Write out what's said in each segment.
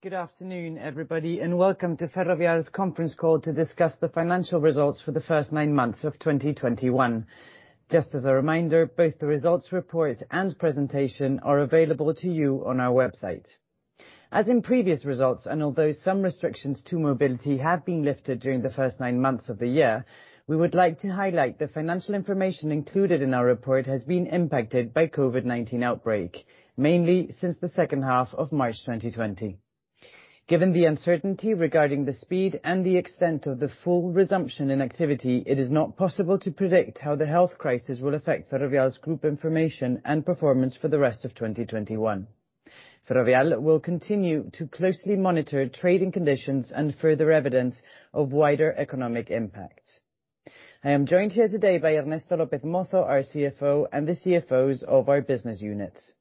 Good afternoon, everybody, and welcome to Ferrovial's conference call to discuss the financial results for the first 9 months of 2021. Just as a reminder, both the results report and presentation are available to you on our website. As in previous results, and although some restrictions to mobility have been lifted during the first 9 months of the year, we would like to highlight the financial information included in our report has been impacted by COVID-19 outbreak, mainly since the second half of March 2020. Given the uncertainty regarding the speed and the extent of the full resumption in activity, it is not possible to predict how the health crisis will affect Ferrovial's group information and performance for the rest of 2021. Ferrovial will continue to closely monitor trading conditions and further evidence of wider economic impacts. I am joined here today by Ernesto López Mozo, our CFO, and the CFOs of our business units.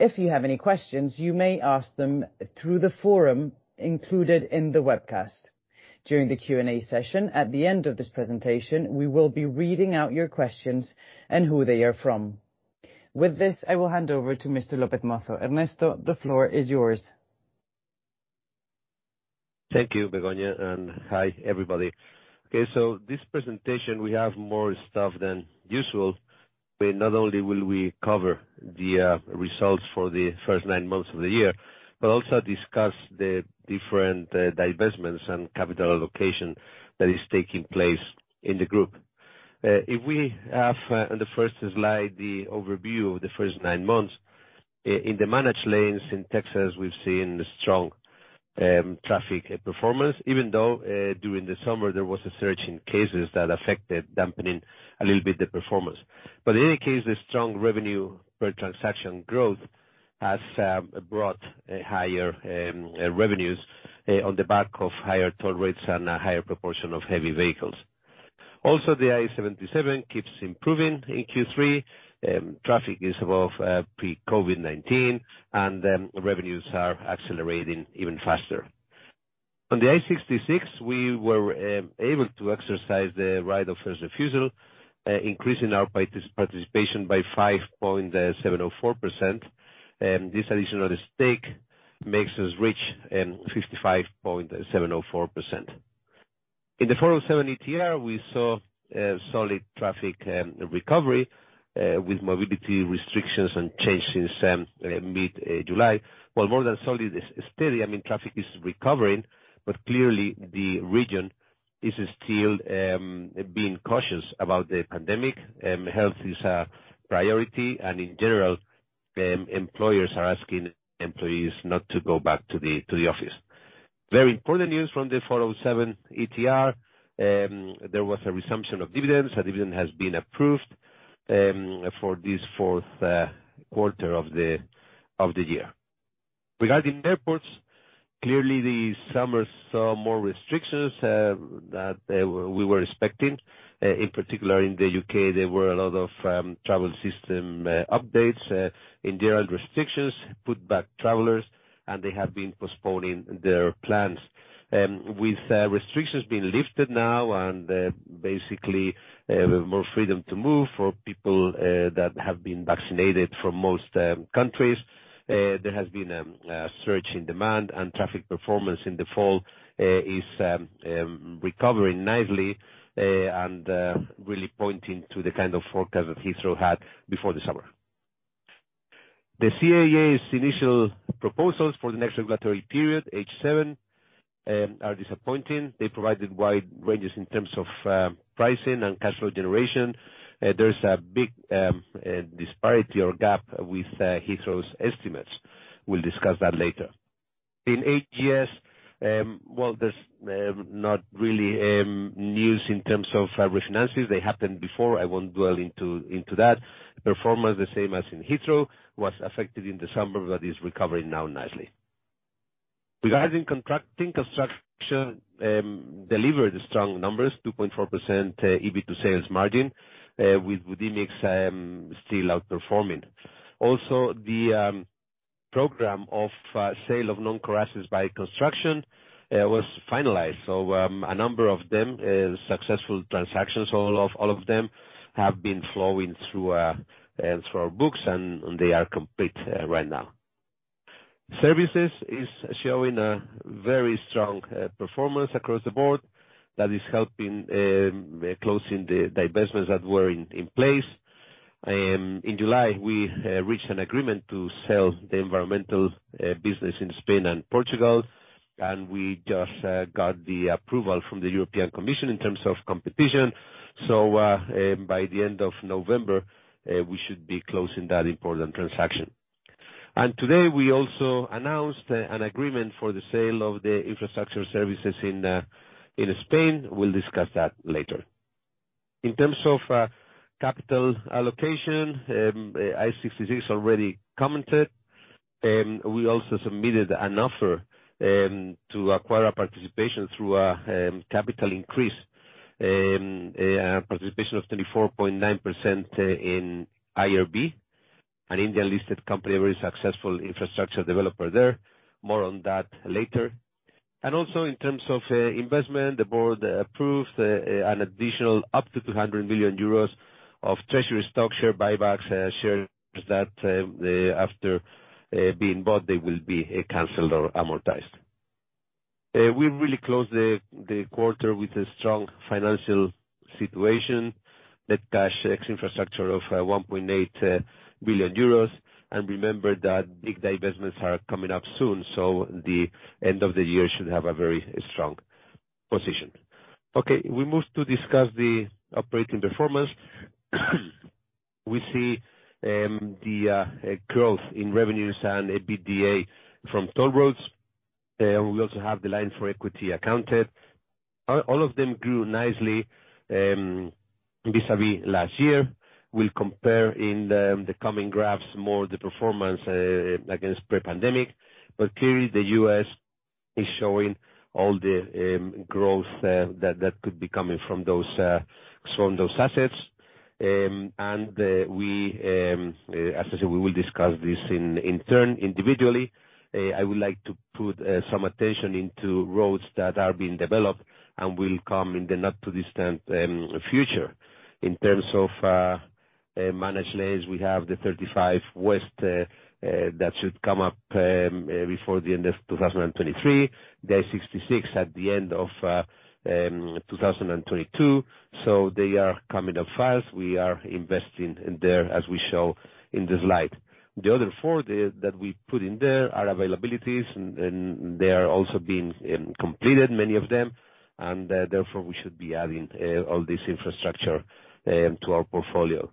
If you have any questions, you may ask them through the forum included in the webcast. During the Q&A session at the end of this presentation, we will be reading out your questions and who they are from. With this, I will hand over to Mr. López Mozo. Ernesto, the floor is yours. Thank you, Begoña, and hi, everybody. Okay, this presentation we have more stuff than usual. Not only will we cover the results for the first nine months of the year, but also discuss the different divestments and capital allocation that is taking place in the group. We have on the first slide the overview of the first nine months. In the managed lanes in Texas, we've seen strong traffic performance, even though during the summer there was a surge in cases that affected dampening a little bit the performance. In any case, the strong revenue per transaction growth has brought higher revenues on the back of higher toll rates and a higher proportion of heavy vehicles. Also, the I-77 keeps improving in Q3. Traffic is above pre-COVID-19, and revenues are accelerating even faster. On the I-66, we were able to exercise the right of first refusal, increasing our participation by 5.704%. This additional stake makes us reach 55.704%. In the 407 ETR, we saw a solid traffic recovery with mobility restrictions and changes since mid-July. Well, more than solid, it's steady. I mean, traffic is recovering, but clearly the region is still being cautious about the pandemic. Health is a priority, and in general, employers are asking employees not to go back to the office. Very important news from the 407 ETR, there was a resumption of dividends. A dividend has been approved for this fourth quarter of the year. Regarding airports, clearly the summer saw more restrictions that we were expecting. In particular in the U.K., there were a lot of travel system updates. In general, restrictions put back travelers, and they have been postponing their plans. With restrictions being lifted now and basically more freedom to move for people that have been vaccinated from most countries, there has been a surge in demand, and traffic performance in the fall is recovering nicely and really pointing to the kind of forecast that Heathrow had before the summer. The CAA's initial proposals for the next regulatory period, H7, are disappointing. They provided wide ranges in terms of pricing and cash flow generation. There's a big disparity or gap with Heathrow's estimates. We'll discuss that later. In AGS, well, there's not really news in terms of finances. They happened before. I won't dwell into that. Performance, the same as in Heathrow, was affected in December, but is recovering now nicely. Regarding contracting, construction delivered strong numbers, 2.4% EBIT-to-sales margin with Budimex still outperforming. Also, the program of sale of non-core assets by construction was finalized. A number of them, successful transactions, all of them have been flowing through our books, and they are complete right now. Services is showing a very strong performance across the board that is helping closing the divestments that were in place. In July, we reached an agreement to sell the environmental business in Spain and Portugal, and we just got the approval from the European Commission in terms of competition. By the end of November, we should be closing that important transaction. Today, we also announced an agreement for the sale of the infrastructure services in Spain. We'll discuss that later. In terms of capital allocation, Ignacio already commented. We also submitted an offer to acquire participation through a capital increase, a participation of 24.9% in IRB, an Indian-listed company, a very successful infrastructure developer there. More on that later. Also in terms of investment, the board approves an additional up to 200 million euros of treasury stock share buybacks, shares that after being bought they will be canceled or amortized. We really closed the quarter with a strong financial situation, net cash ex-infrastructure of 1.8 billion euros. Remember that big divestments are coming up soon, so the end of the year should have a very strong position. Okay. We move to discuss the operating performance. We see the growth in revenues and EBITDA from toll roads. We also have the lines for equity accounted. All of them grew nicely vis-a-vis last year. We'll compare in the coming graphs more the performance against pre-pandemic, but clearly the U.S. is showing all the growth that could be coming from those assets. As I said, we will discuss this in turn individually. I would like to put some attention into roads that are being developed and will come in the not too distant future. In terms of managed lanes, we have the 35 West that should come up before the end of 2023, the 66 at the end of 2022. They are coming up fast. We are investing in there, as we show in the slide. The other four that we put in there are availabilities and they are also being completed, many of them. Therefore, we should be adding all this infrastructure to our portfolio.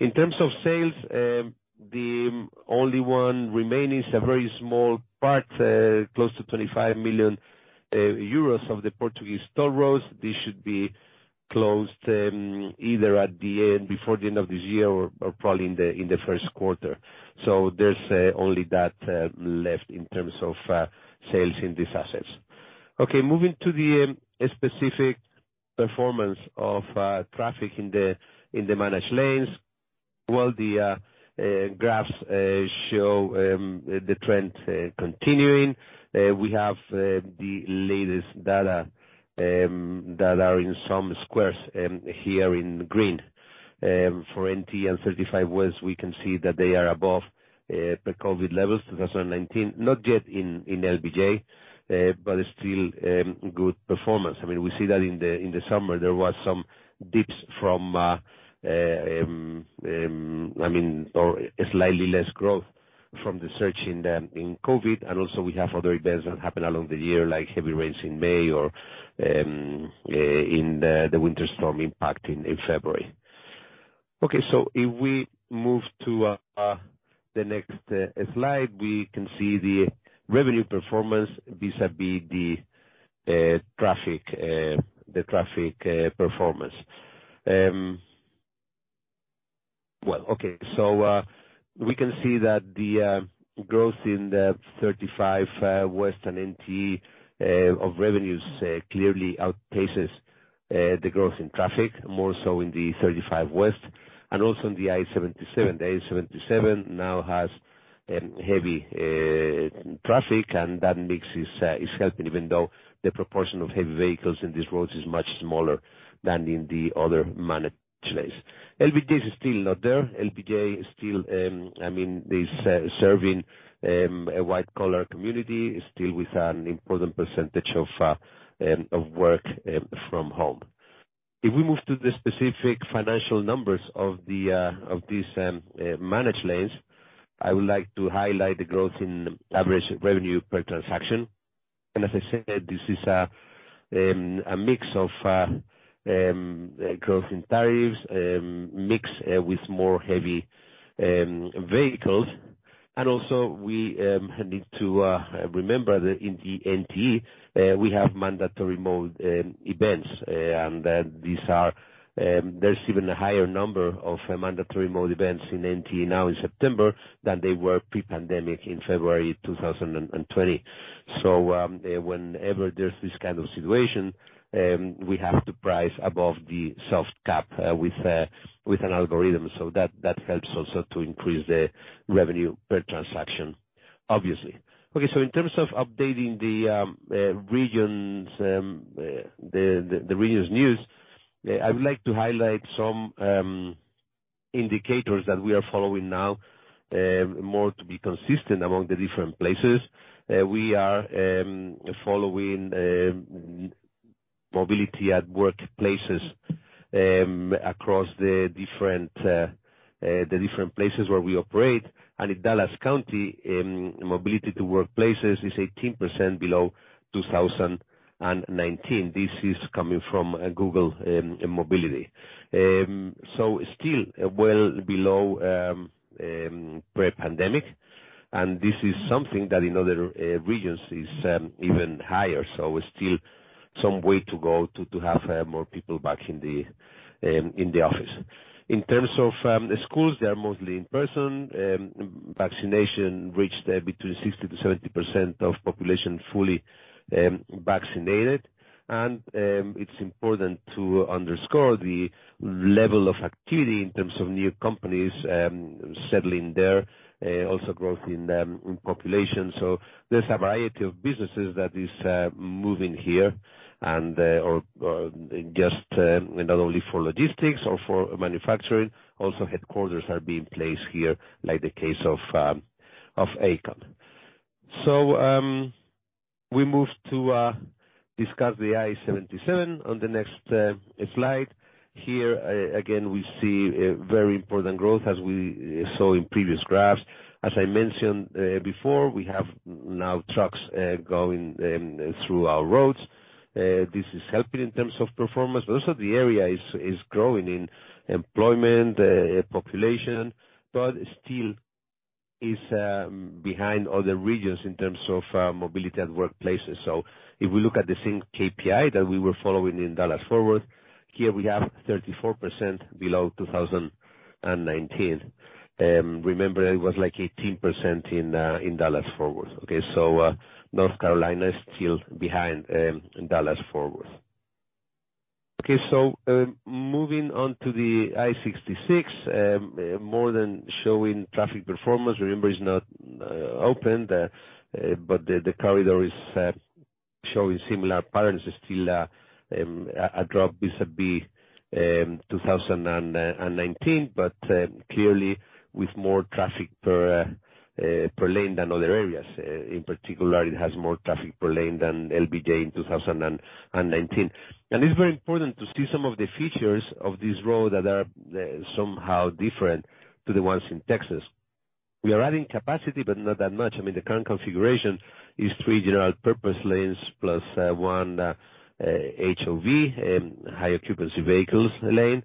In terms of sales, the only one remaining is a very small part, close to 25 million euros of the Portuguese toll roads. This should be closed either before the end of this year or probably in the first quarter. There's only that left in terms of sales in these assets. Okay. Moving to the specific performance of traffic in the managed lanes. The graphs show the trend continuing. We have the latest data that are in some squares here in green. For NTE 35W, we can see that they are above the COVID levels, 2019. Not yet in LBJ, but still good performance. I mean, we see that in the summer, there was some dips, I mean, or slightly less growth from the surge in the COVID. We have other events that happened along the year, like heavy rains in May or the winter storm impact in February. Okay. If we move to the next slide, we can see the revenue performance vis-à-vis the traffic performance. Well, okay. We can see that the growth in the 35 West and NTE of revenues clearly outpaces the growth in traffic, more so in the 35 West, and also in the I-77. The I-77 now has heavy traffic, and that mix is helping, even though the proportion of heavy vehicles in these roads is much smaller than in the other managed lanes. LBJ is still not there. LBJ is still, I mean, serving a white collar community, still with an important percentage of work from home. If we move to the specific financial numbers of these managed lanes, I would like to highlight the growth in average revenue per transaction. As I said, this is a mix of growth in tariffs mixed with more heavy vehicles. We need to remember that in the NT we have mandatory mode events, and that there is even a higher number of mandatory mode events in NT now in September than they were pre-pandemic in February 2020. Whenever there is this kind of situation, we have to price above the soft cap with an algorithm. That helps also to increase the revenue per transaction, obviously. In terms of updating the regions, the regions news, I would like to highlight some indicators that we are following now more to be consistent among the different places. We are following mobility at workplaces across the different places where we operate. In Dallas County, mobility to workplaces is 18% below 2019. This is coming from Google Mobility. Still well below pre-pandemic, and this is something that in other regions is even higher, so still some way to go to have more people back in the office. In terms of schools, they are mostly in person. Vaccination reached between 60%-70% of population fully vaccinated. It's important to underscore the level of activity in terms of new companies settling there, also growth in the population. There's a variety of businesses that is moving here and not only for logistics or for manufacturing, also headquarters are being placed here, like the case of Aecon. We move to discuss the I-77 on the next slide. Here, again, we see a very important growth as we saw in previous graphs. As I mentioned before, we have now trucks going through our roads. This is helping in terms of performance. Also, the area is growing in employment, population, but still is behind other regions in terms of mobility at workplaces. If we look at the same KPI that we were following in Dallas-Fort Worth, here we have 34% below 2019. Remember, it was like 18% in Dallas-Fort Worth. Okay? North Carolina is still behind Dallas-Forth Worth. Okay. Moving on to the I-66, more than showing traffic performance. Remember, it's not opened, but the corridor is showing similar patterns. It's still a drop vis-a-vis 2019, but clearly with more traffic per lane than other areas. In particular, it has more traffic per lane than LBJ in 2019. It's very important to see some of the features of this road that are somehow different to the ones in Texas. We are adding capacity, but not that much. I mean, the current configuration is three general purpose lanes, plus one HOV, higher occupancy vehicles lane.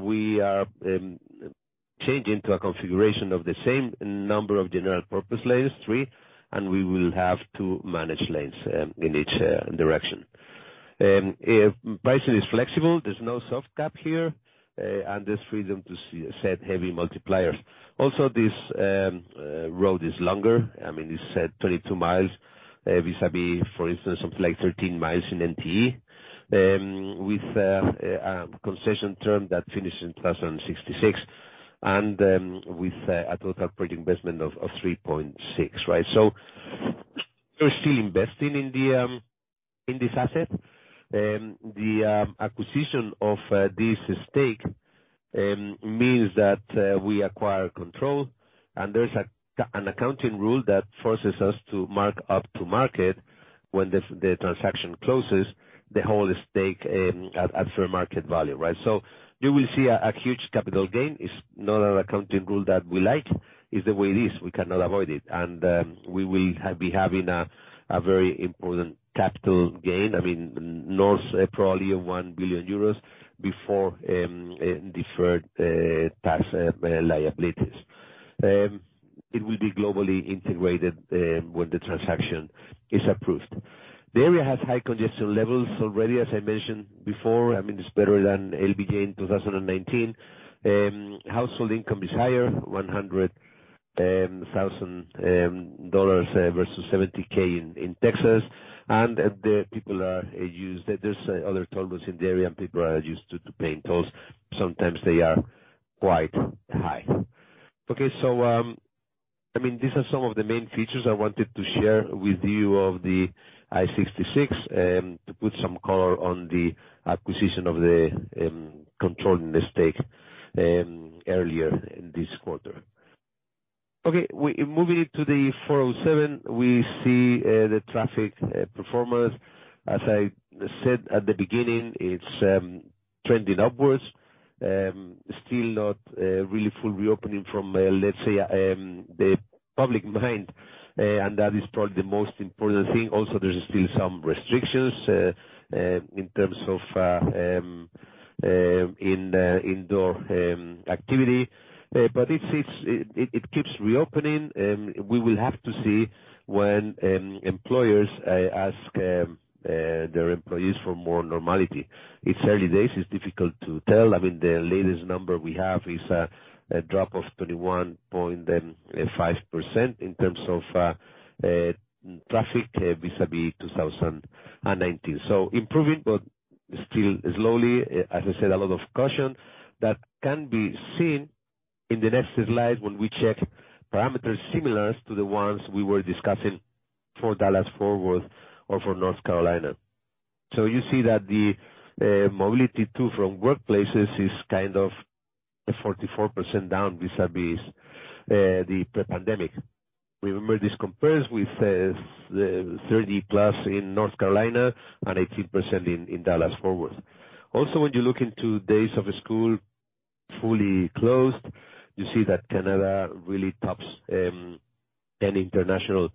We are changing to a configuration of the same number of general purpose lanes, three, and we will have two managed lanes in each direction. Pricing is flexible. There's no soft cap here, and there's freedom to set heavy multipliers. Also, this road is longer. I mean, it's 22 miles vis-a-vis, for instance, something like 13 miles in NTE, with a concession term that finishes in 2066 and with a total project investment of $3.6, right? We're still investing in this asset. The acquisition of this stake means that we acquire control, and there's an accounting rule that forces us to mark-to-market when the transaction closes the whole stake at fair market value, right? You will see a huge capital gain. It's not an accounting rule that we like. It's the way it is. We cannot avoid it. We will be having a very important capital gain, I mean, north probably of 1 billion euros before deferred tax liabilities. It will be globally integrated when the transaction is approved. The area has high congestion levels already, as I mentioned before. I mean, it's better than LBJ in 2019. Household income is higher, $100,000 versus $70,000 in Texas. The people are used to paying tolls. Sometimes they are quite high. Okay. I mean, these are some of the main features I wanted to share with you of the I-66 to put some color on the acquisition of the controlling stake earlier in this quarter. Okay, moving to the 407, we see the traffic performance. As I said at the beginning, it's trending upwards. Still not really full reopening from, let's say, the public mind, and that is probably the most important thing. Also, there is still some restrictions in terms of indoor activity. It keeps reopening. We will have to see when employers ask their employees for more normality. It's early days. It's difficult to tell. I mean, the latest number we have is a drop of 31.5% in terms of traffic vis-à-vis 2019. Improving but still slowly, as I said, a lot of caution that can be seen in the next slide when we check parameters similar to the ones we were discussing for Dallas-Fort Worth or for North Carolina. You see that the mobility to and from workplaces is kind of 44% down vis-à-vis the pre-pandemic. Remember, this compares with thirty plus in North Carolina and 18% in Dallas-Fort Worth. Also, when you look into days of school fully closed, you see that Canada really tops any international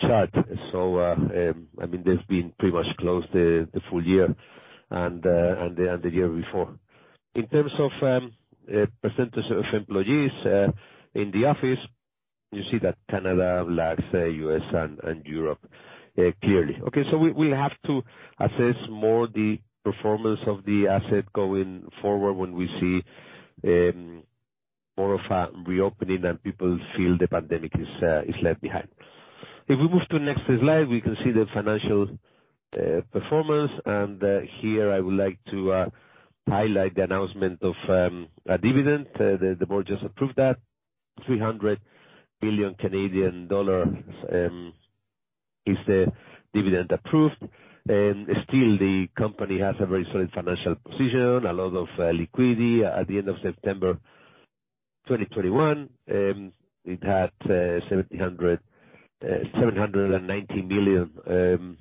chart. I mean, they've been pretty much closed the full year and the year before. In terms of percentage of employees in the office, you see that Canada lags U.S. and Europe clearly. Okay, we'll have to assess more the performance of the asset going forward when we see more of a reopening, and people feel the pandemic is left behind. If we move to the next slide, we can see the financial performance, and here, I would like to highlight the announcement of a dividend. The board just approved that. 300 billion Canadian dollars is the dividend approved, and still the company has a very solid financial position, a lot of liquidity. At the end of September 2021, it had 1,790 million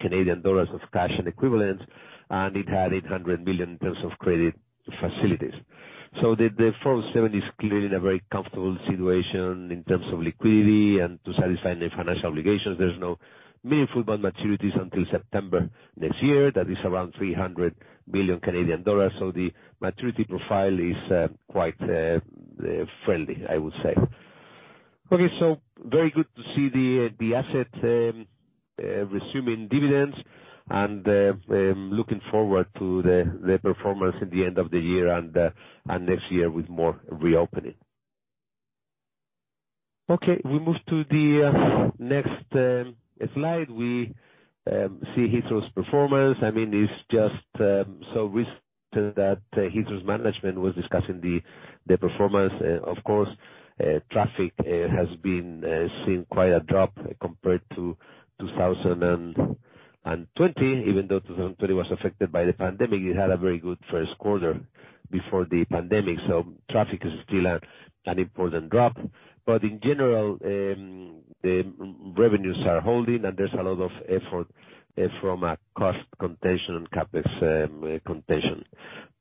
Canadian dollars of cash and equivalents, and it had 800 million in terms of credit facilities. The 407 is clearly in a very comfortable situation in terms of liquidity and to satisfy any financial obligations. There's no meaningful bond maturities until September next year. That is around 300 billion Canadian dollars. The maturity profile is quite friendly, I would say. Okay, very good to see the asset resuming dividends and looking forward to the performance at the end of the year and next year with more reopening. Okay, we move to the next slide. We see Heathrow's performance. I mean, it's just so recent that Heathrow's management was discussing the performance. Of course, traffic has seen quite a drop compared to 2020. Even though 2020 was affected by the pandemic, it had a very good first quarter before the pandemic, so traffic is still at an important drop. But in general, the revenues are holding, and there's a lot of effort from a cost containment, CapEx containment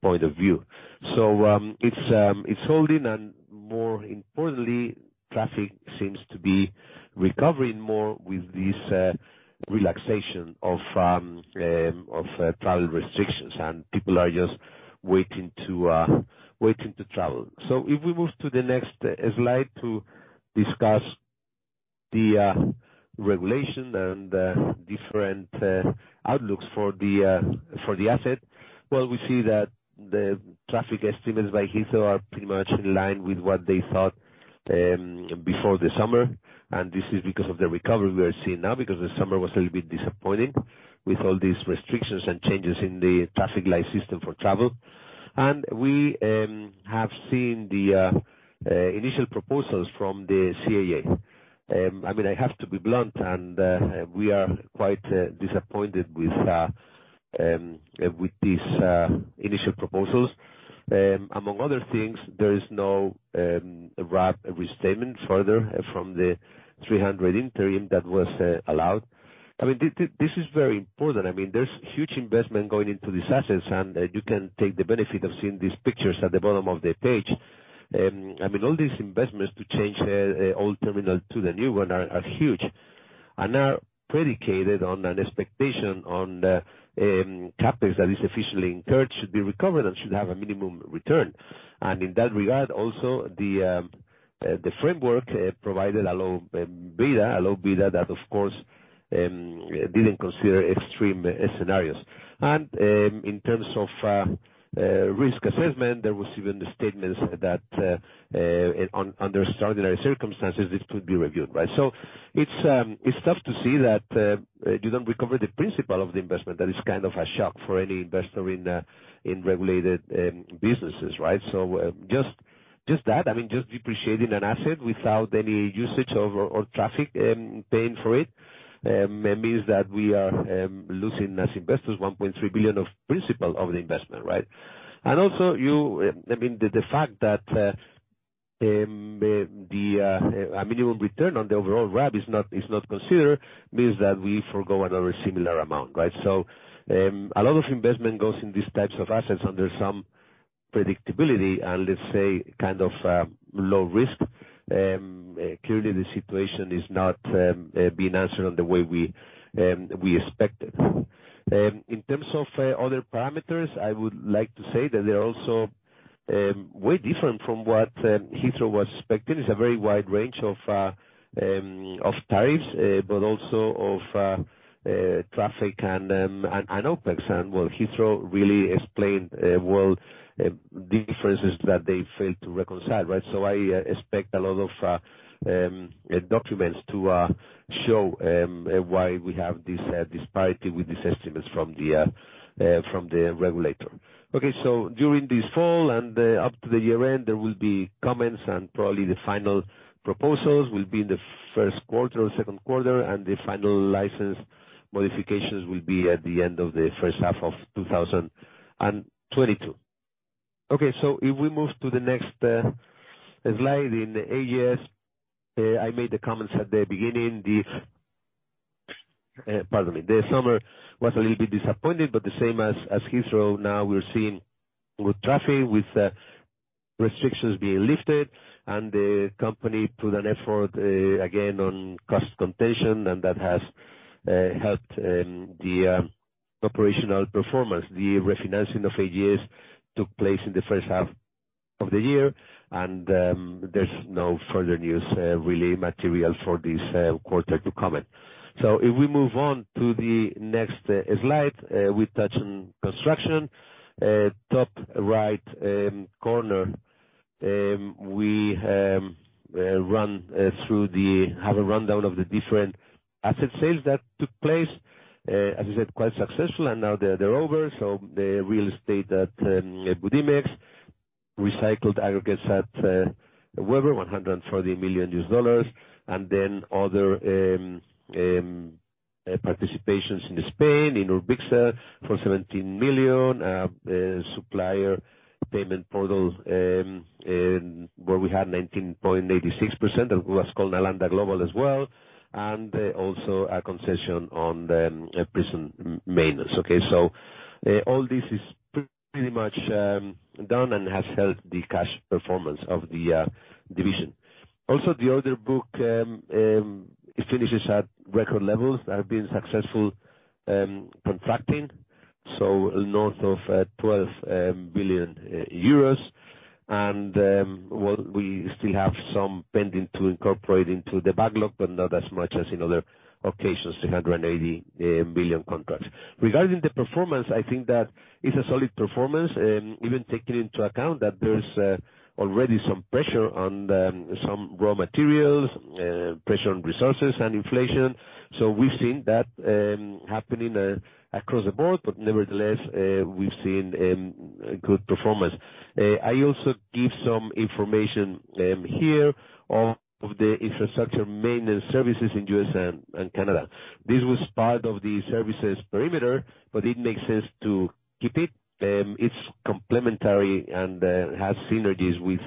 point of view. It's holding, and more importantly, traffic seems to be recovering more with this relaxation of travel restrictions, and people are just waiting to travel. If we move to the next slide to discuss the regulation and different outlooks for the asset. Well, we see that the traffic estimates by Heathrow are pretty much in line with what they thought before the summer, and this is because of the recovery we are seeing now, because the summer was a little bit disappointing with all these restrictions and changes in the traffic light system for travel. We have seen the initial proposals from the CAA. I mean, I have to be blunt, and we are quite disappointed with these initial proposals. Among other things, there is no RAB restatement further from the 300 interim that was allowed. I mean, this is very important. I mean, there's huge investment going into these assets, and you can take the benefit of seeing these pictures at the bottom of the page. I mean, all these investments to change the old terminal to the new one are huge and are predicated on an expectation on the CapEx that is officially incurred should be recovered and should have a minimum return. In that regard, also, the framework provided a low beta, a low beta that, of course, didn't consider extreme scenarios. In terms of risk assessment, there was even the statements that under extraordinary circumstances, this could be reviewed, right? It's tough to see that you don't recover the principal of the investment. That is kind of a shock for any investor in regulated businesses, right? Just that, I mean, just depreciating an asset without any usage of or traffic paying for it means that we are losing, as investors, 1.3 billion of principal of the investment, right? You, I mean, the fact that a minimum return on the overall RAB is not considered means that we forgo another similar amount, right? A lot of investment goes in these types of assets under some predictability and let's say kind of low risk. Clearly the situation is not being answered on the way we expected. In terms of other parameters, I would like to say that they're also way different from what Heathrow was expecting. It's a very wide range of tariffs, but also of traffic and OPEX. Well, Heathrow really explained well differences that they failed to reconcile, right? I expect a lot of documents to show why we have this disparity with these estimates from the regulator. Okay, during this fall and up to the year-end, there will be comments, and probably the final proposals will be in the first quarter or second quarter, and the final license modifications will be at the end of the first half of 2022. Okay, if we move to the next slide in the AGS, I made the comments at the beginning. The summer was a little bit disappointing, but the same as Heathrow. Now we're seeing good traffic with restrictions being lifted, and the company put an effort again on cost contention, and that has helped the operational performance. The refinancing of AGS took place in the first half of the year, and there's no further news really material for this quarter to comment. If we move on to the next slide, we touch on construction. Top right corner, we have a rundown of the different asset sales that took place. As I said, quite successful and now they're over. The real estate at Budimex, recycled aggregates at Webber, $140 million. Then other participations in Spain, in URBICSA, for 17 million. The supplier payment portal in where we had 19.86%, it was called Alanda Global as well. Also a concession on a prison maintenance. Okay. All this is pretty much done and has helped the cash performance of the division. Also, the order book finishes at record levels, have been successful contracting, so north of 12 billion euros. Well, we still have some pending to incorporate into the backlog, but not as much as in other occasions, 380 billion contracts. Regarding the performance, I think that it's a solid performance, even taking into account that there's already some pressure on some raw materials, pressure on resources and inflation. We've seen that happening across the board, but nevertheless, we've seen a good performance. I also give some information here of the infrastructure maintenance services in the U.S. and Canada. This was part of the services perimeter, but it makes sense to keep it. It's complementary and has synergies with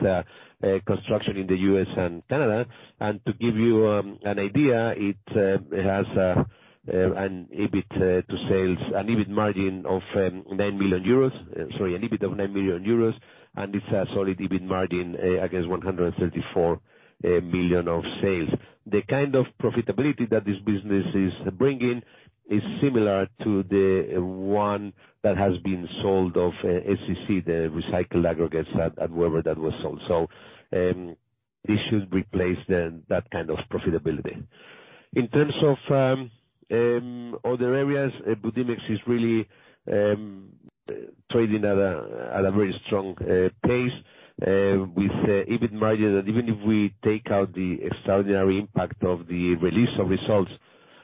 construction in the U.S. and Canada. To give you an idea, it has an EBIT to sales, an EBIT margin of 9 million euros. Sorry, an EBIT of 9 million euros. It's a solid EBIT margin against 134 million of sales. The kind of profitability that this business is bringing is similar to the one that has been sold off SCC, the recycled aggregates at Webber that was sold. This should replace that kind of profitability. In terms of other areas, Budimex is really trading at a very strong pace with EBIT margin. Even if we take out the extraordinary impact of the release of results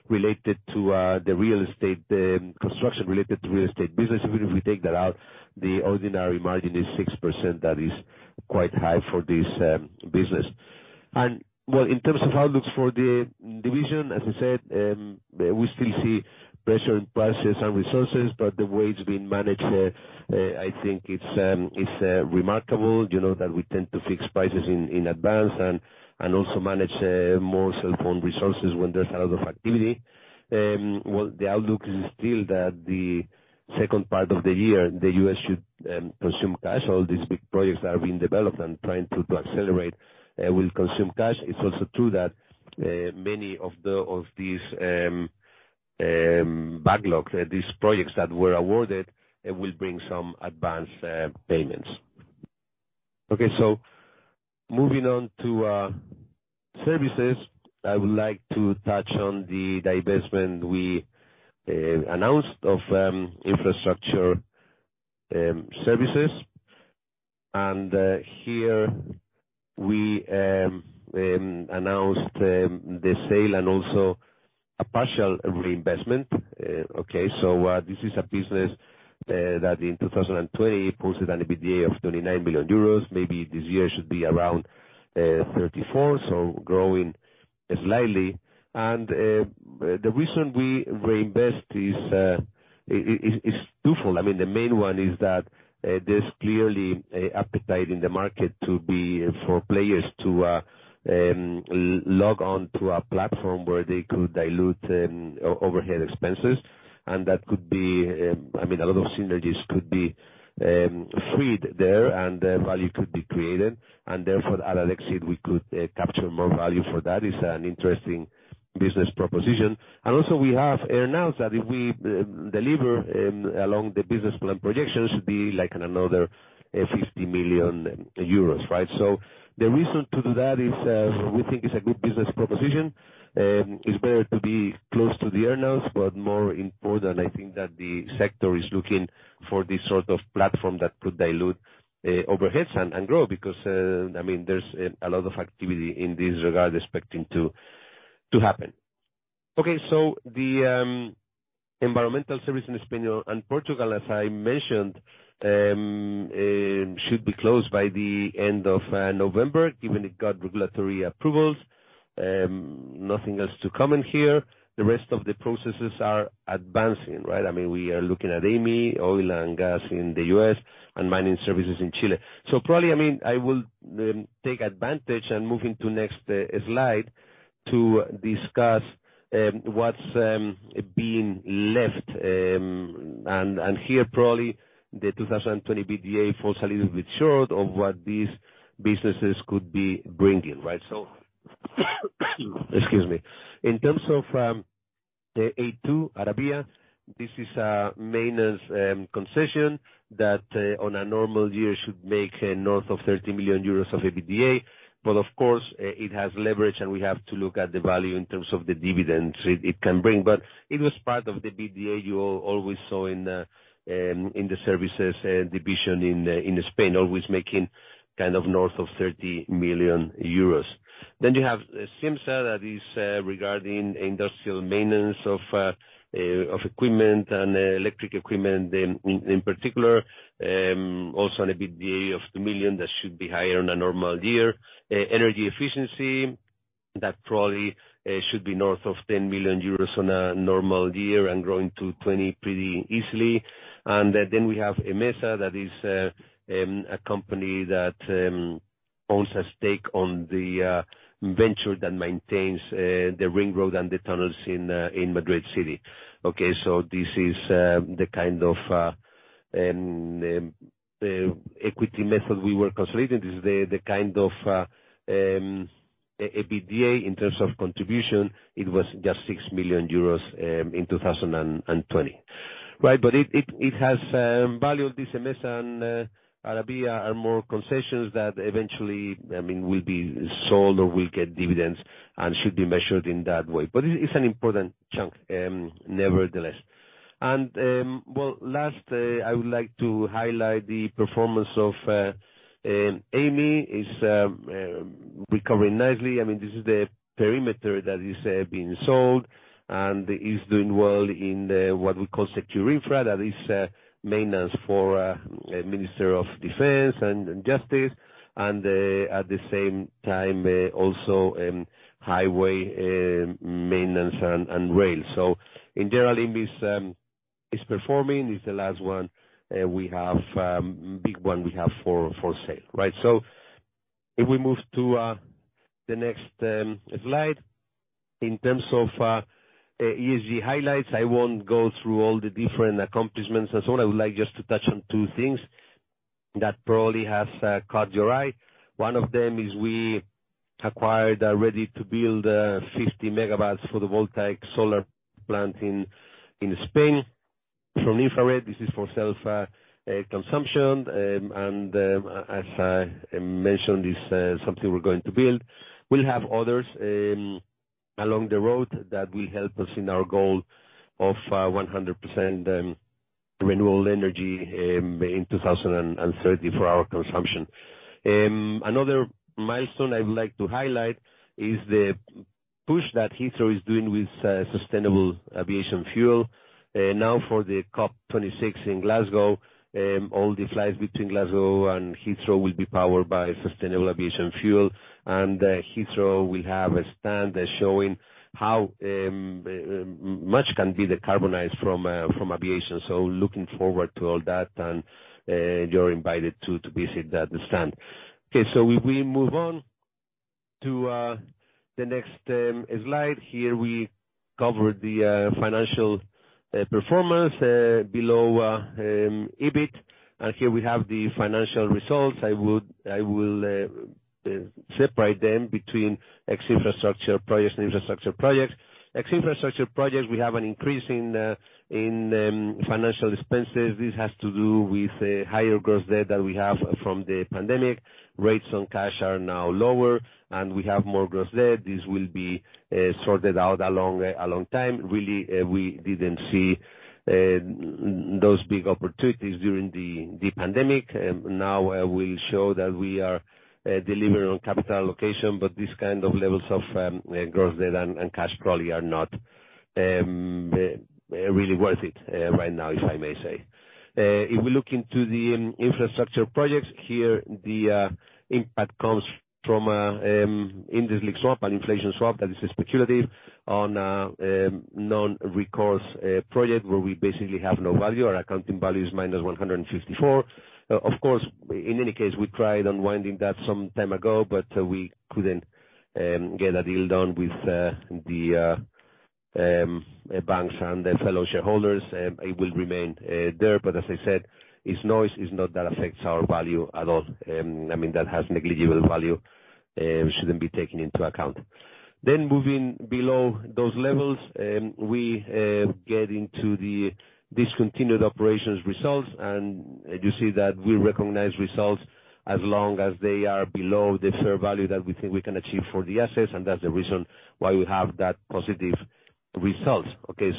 related to the real estate construction related to real estate business, even if we take that out, the ordinary margin is 6%. That is quite high for this business. Well, in terms of outlook for the division, as I said, we still see pressure on prices and resources, but the way it's been managed, I think it's remarkable, you know, that we tend to fix prices in advance and also manage more manpower resources when there's a lot of activity. The outlook is still that the second part of the year, the U.S. should consume cash. All these big projects that are being developed and trying to accelerate will consume cash. It's also true that many of these backlogs, these projects that were awarded, will bring some advanced payments. Okay. Moving on to services, I would like to touch on the divestment we announced of infrastructure services. Here we announced the sale and also a partial reinvestment. This is a business that in 2020 posted an EBITDA of 29 billion euros. Maybe this year it should be around 34, so growing slightly. The reason we reinvest is twofold. I mean, the main one is that there's clearly appetite in the market for players to log on to a platform where they could dilute overhead expenses. That could be. I mean, a lot of synergies could be freed there, and value could be created. Therefore, at exit, we could capture more value for that. It's an interesting business proposition. We have announced that if we deliver along the business plan projections, it should be like another 50 million euros, right? The reason to do that is we think it's a good business proposition. It's better to be close to the earnouts, but more important, I think that the sector is looking for this sort of platform that could dilute overheads and grow because I mean, there's a lot of activity in this regard expecting to happen. Okay, the environmental service in Spain and Portugal, as I mentioned, should be closed by the end of November, given it got regulatory approvals. Nothing else to comment here. The rest of the processes are advancing, right? I mean, we are looking at Amey, oil and gas in the U.S., and mining services in Chile. Probably, I mean, I will take advantage and move into the next slide to discuss what's being left. Here, probably the 2020 EBITDA falls a little bit short of what these businesses could be bringing, right? Excuse me. In terms of the Autostrada Wielkopolska, this is a maintenance concession that on a normal year should make north of 30 million euros of EBITDA. Of course, it has leverage, and we have to look at the value in terms of the dividends it can bring. It was part of the EBITDA you always saw in the services division in Spain, always making kind of north of 30 million euros. You have SIMSA, that is, regarding industrial maintenance of equipment and electric equipment in particular. Also an EBITDA of 2 million, that should be higher than a normal year. Energy efficiency, that probably should be north of 10 million euros on a normal year and growing to 20 pretty easily. We have EMESA, that is, a company that owns a stake on the venture that maintains the ring road and the tunnels in Madrid City. Okay? This is the kind of equity method we were consolidating. This is the kind of EBITDA in terms of contribution, it was just 6 million euros in 2020. Right. It has value of this EMESA and Arabia are more concessions that eventually, I mean, will be sold or will get dividends and should be measured in that way. It's an important chunk nevertheless. I would like to highlight the performance of Amey. It's recovering nicely. I mean, this is the perimeter that is being sold and is doing well in what we call security infra. That is maintenance for Ministry of Defense and Justice. At the same time, also highway maintenance and rail. In general, Amey is performing. It's the last one we have, big one we have for sale. Right. If we move to the next slide. In terms of ESG highlights, I won't go through all the different accomplishments and so on. I would like just to touch on two things that probably has caught your eye. One of them is we acquired a ready-to-build 50 MW photovoltaic solar plant in Spain from InfraRed. This is for self-consumption. As I mentioned, is something we're going to build. We'll have others along the road that will help us in our goal of 100% renewable energy in 2030 for our consumption. Another milestone I would like to highlight is the push that Heathrow is doing with sustainable aviation fuel. Now, for the COP26 in Glasgow, all the flights between Glasgow and Heathrow will be powered by sustainable aviation fuel. Heathrow will have a stand showing how much can be decarbonized from aviation. Looking forward to all that, you're invited to visit the stand. Okay. If we move on to the next slide. Here we cover the financial performance below EBIT. Here we have the financial results. I will separate them between ex-infrastructure projects and infrastructure projects. Ex-infrastructure projects, we have an increase in financial expenses. This has to do with higher gross debt that we have from the pandemic. Rates on cash are now lower, and we have more gross debt. This will be sorted out along a long time. Really, we didn't see those big opportunities during the pandemic. Now we show that we are delivering on capital allocation. These kind of levels of gross debt and cash probably are not really worth it right now, if I may say. If we look into the infrastructure projects, here the impact comes from interest swap and inflation swap that is speculative on a non-recourse project where we basically have no value. Our accounting value is -154. Of course, in any case, we tried unwinding that some time ago, but we couldn't get a deal done with the banks and the fellow shareholders. It will remain there, but as I said, it's noise. It's not that affects our value at all. I mean, that has negligible value, shouldn't be taken into account. Moving below those levels, we get into the discontinued operations results. You see that we recognize results as long as they are below the fair value that we think we can achieve for the assets, and that's the reason why we have that positive results. Okay.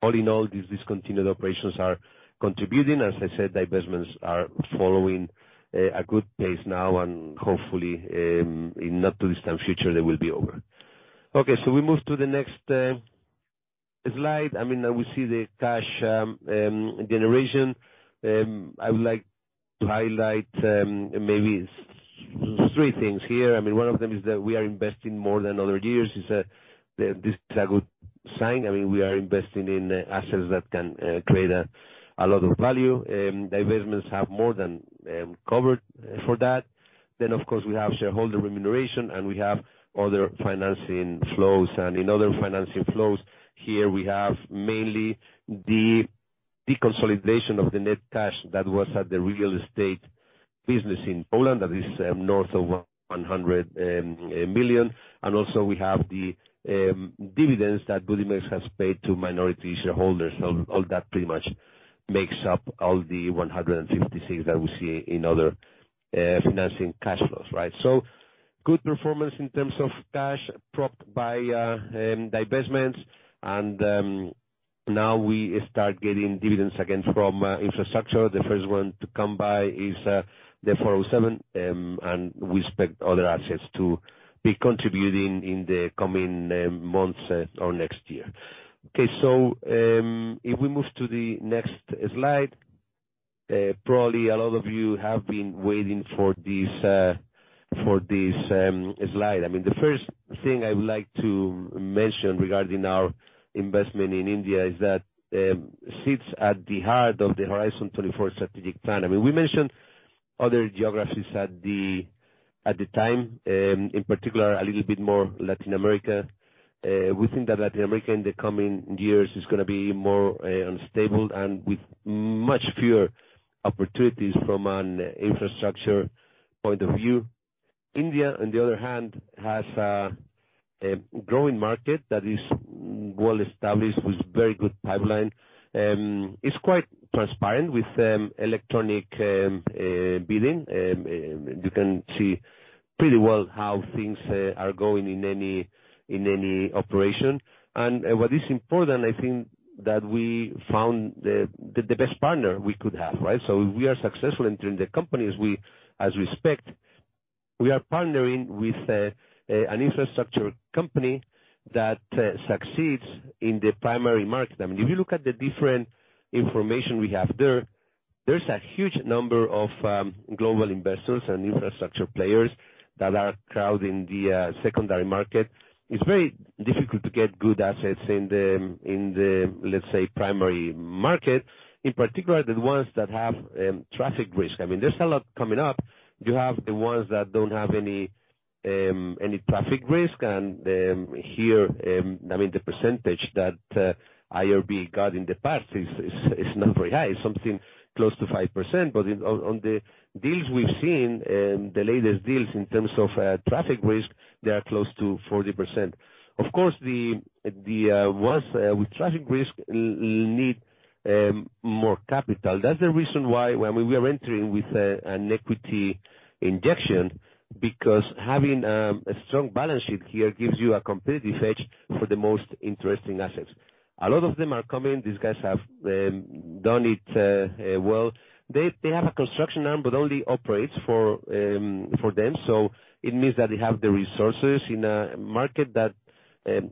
All in all, these discontinued operations are contributing. As I said, divestments are following a good pace now, and hopefully, in not too distant future, they will be over. Okay, we move to the next slide. I mean, we see the cash generation. I would like to highlight maybe three things here. I mean, one of them is that we are investing more than other years. It's a, this is a good sign. I mean, we are investing in assets that can create a lot of value. Divestments have more than covered for that. Of course, we have shareholder remuneration, and we have other financing flows. In other financing flows, here we have mainly the deconsolidation of the net cash that was at the real estate business in Poland that is north of 100 million. Also we have the dividends that Budimex has paid to minority shareholders. All that pretty much makes up all the 156 million that we see in other financing cash flows, right? Good performance in terms of cash supported by divestments and now we start getting dividends again from infrastructure. The first one to come by is the 407, and we expect other assets to be contributing in the coming months or next year. If we move to the next slide, probably a lot of you have been waiting for this slide. I mean, the first thing I would like to mention regarding our investment in India is that it sits at the heart of the Horizon 24 strategic plan. I mean, we mentioned other geographies at the time, in particular, a little bit more Latin America. We think that Latin America in the coming years is gonna be more unstable and with much fewer opportunities from an infrastructure point of view. India, on the other hand, has a growing market that is well-established with very good pipeline, is quite transparent with electronic bidding. You can see pretty well how things are going in any operation. What is important, I think that we found the best partner we could have, right? We are successful in terms of the company as we expect. We are partnering with an infrastructure company that succeeds in the primary market. I mean, if you look at the different information we have there's a huge number of global investors and infrastructure players that are crowding the secondary market. It's very difficult to get good assets in the, let's say, primary market, in particular, the ones that have traffic risk. I mean, there's a lot coming up. You have the ones that don't have any traffic risk. Here, I mean, the percentage that IRB got in the past is not very high. It's something close to 5%. On the deals we've seen, the latest deals in terms of traffic risk, they are close to 40%. Of course, the ones with traffic risk need more capital. That's the reason why, when we are entering with an equity injection, because having a strong balance sheet here gives you a competitive edge for the most interesting assets. A lot of them are coming. These guys have done it well. They have a construction arm, but only operates for them. It means that they have the resources in a market that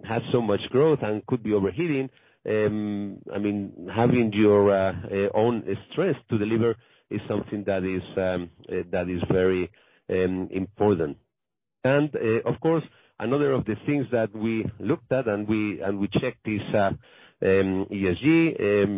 has so much growth and could be overheating. I mean, having your own strength to deliver is something that is very important. Of course, another of the things that we looked at and we checked is ESG.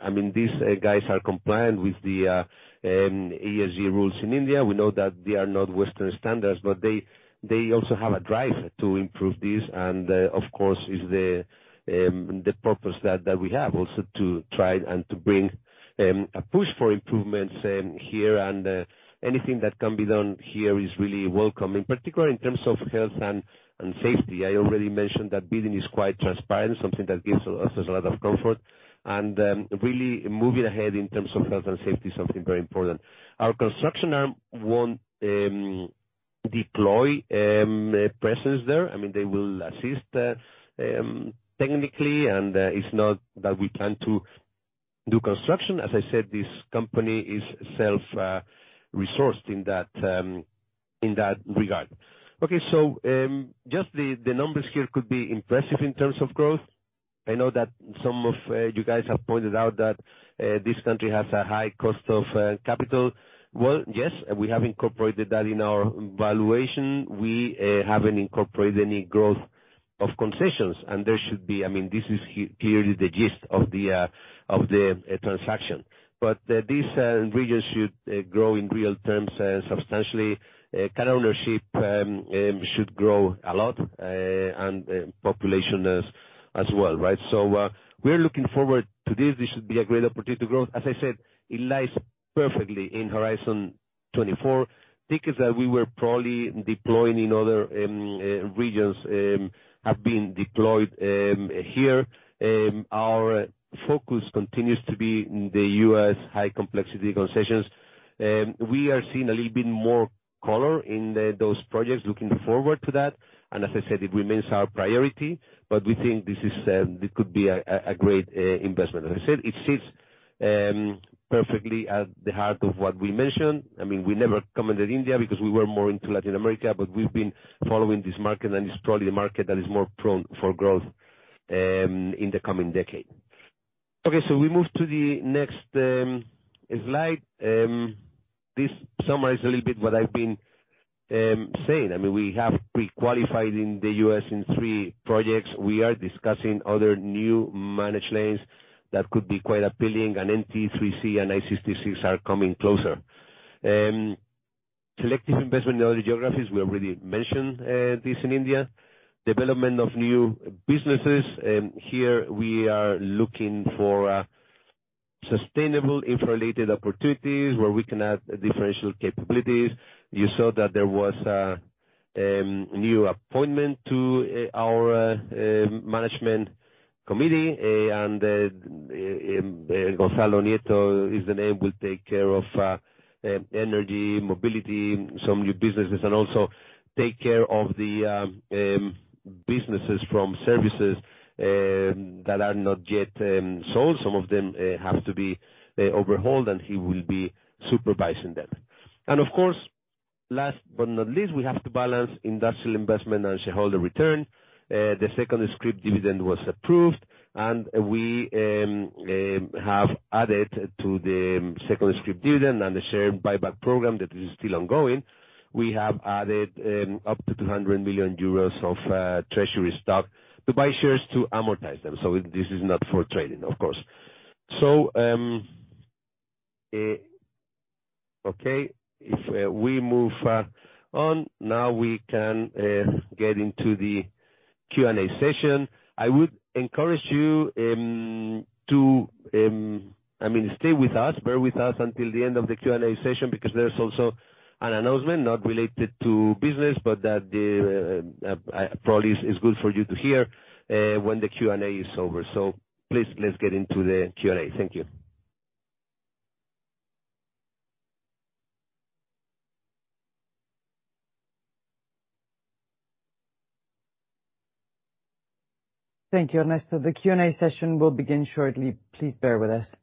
I mean, these guys are compliant with the ESG rules in India. We know that they are not Western standards, but they also have a drive to improve this. Of course, is the purpose that we have also to try and to bring a push for improvements here. Anything that can be done here is really welcome, in particular, in terms of health and safety. I already mentioned that bidding is quite transparent, something that gives us a lot of comfort. Really moving ahead in terms of health and safety is something very important. Our construction arm won't deploy presence there. I mean, they will assist, technically, and it's not that we plan to do construction. As I said, this company is self-resourced in that regard. Okay. Just the numbers here could be impressive in terms of growth. I know that some of you guys have pointed out that this country has a high cost of capital. Well, yes, we have incorporated that in our valuation. We haven't incorporated any growth of concessions, and there should be. I mean, here is the gist of the transaction. This region should grow in real terms substantially. Car ownership should grow a lot, and population as well, right? We're looking forward to this. This should be a great opportunity for growth. As I said, it lies perfectly in Horizon 24. Tactics that we were probably deploying in other regions have been deployed here. Our focus continues to be the U.S. high complexity concessions. We are seeing a little bit more color in those projects looking forward to that. As I said, it remains our priority. We think this is, this could be a great investment. As I said, it sits perfectly at the heart of what we mentioned. I mean, we never commented India because we were more into Latin America, but we've been following this market, and it's probably a market that is more prone for growth in the coming decade. Okay. We move to the next slide. This summarizes a little bit what I've been saying. I mean, we have pre-qualified in the U.S. in three projects. We are discussing other new managed lanes that could be quite appealing, and NTE 3C and I-66 are coming closer. Selective investment in other geographies, we already mentioned, this in India. Development of new businesses, here we are looking for, sustainable interrelated opportunities where we can add differential capabilities. You saw that there was a new appointment to our management committee, and Gonzalo Nieto is the name, will take care of energy, mobility, some new businesses, and also take care of the businesses from services that are not yet sold. Some of them have to be overhauled, and he will be supervising them. Of course, last but not least, we have to balance industrial investment and shareholder return. The second scrip dividend was approved, and we have added to the second scrip dividend and the share buyback program that is still ongoing. We have added up to 200 million euros of treasury stock to buy shares to amortize them. So this is not for trading, of course. Okay. If we move on, now we can get into the Q&A session. I would encourage you, I mean, to stay with us, bear with us until the end of the Q&A session, because there's also an announcement not related to business, but that probably is good for you to hear when the Q&A is over. So please, let's get into the Q&A. Thank you. Thank you, Ernesto. The Q&A session will begin shortly. Please bear with us.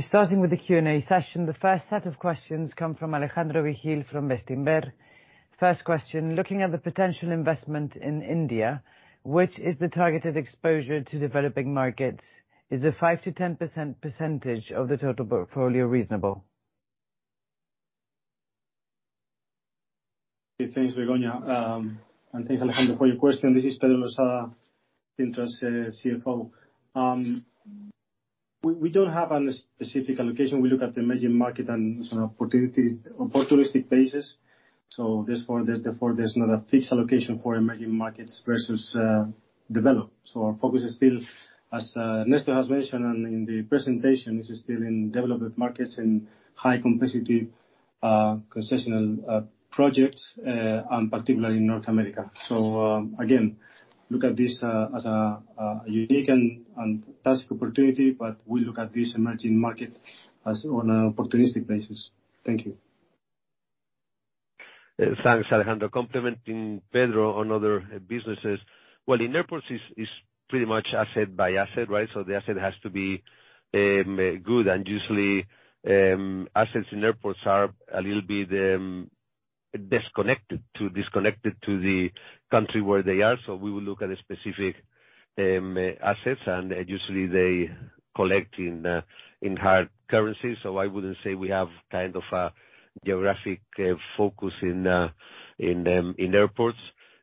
Starting with the Q&A session, the first set of questions come from Alejandro Vigil from Bestinver. First question, looking at the potential investment in India, which is the targeted exposure to developing markets, is the 5%-10% percentage of the total portfolio reasonable? Thanks, Begoña, and thanks Alejandro for your question. This is Pedro Losada, Cintra CFO. We don't have any specific allocation. We look at the emerging markets on sort of an opportunistic basis, therefore there's not a fixed allocation for emerging markets versus developed. Our focus is still, as Ernesto has mentioned and in the presentation, this is still in developed markets and high complexity concession projects, and particularly in North America. Again, look at this as a unique and attractive opportunity, but we look at this emerging market as on an opportunistic basis. Thank you. Thanks, Alejandro. Complementing Pedro on other businesses, in airports is pretty much asset by asset, right? The asset has to be good. Usually, assets in airports are a little bit disconnected to the country where they are. We will look at specific assets, and usually they collect in hard currency. I wouldn't say we have kind of a geographic focus in airports.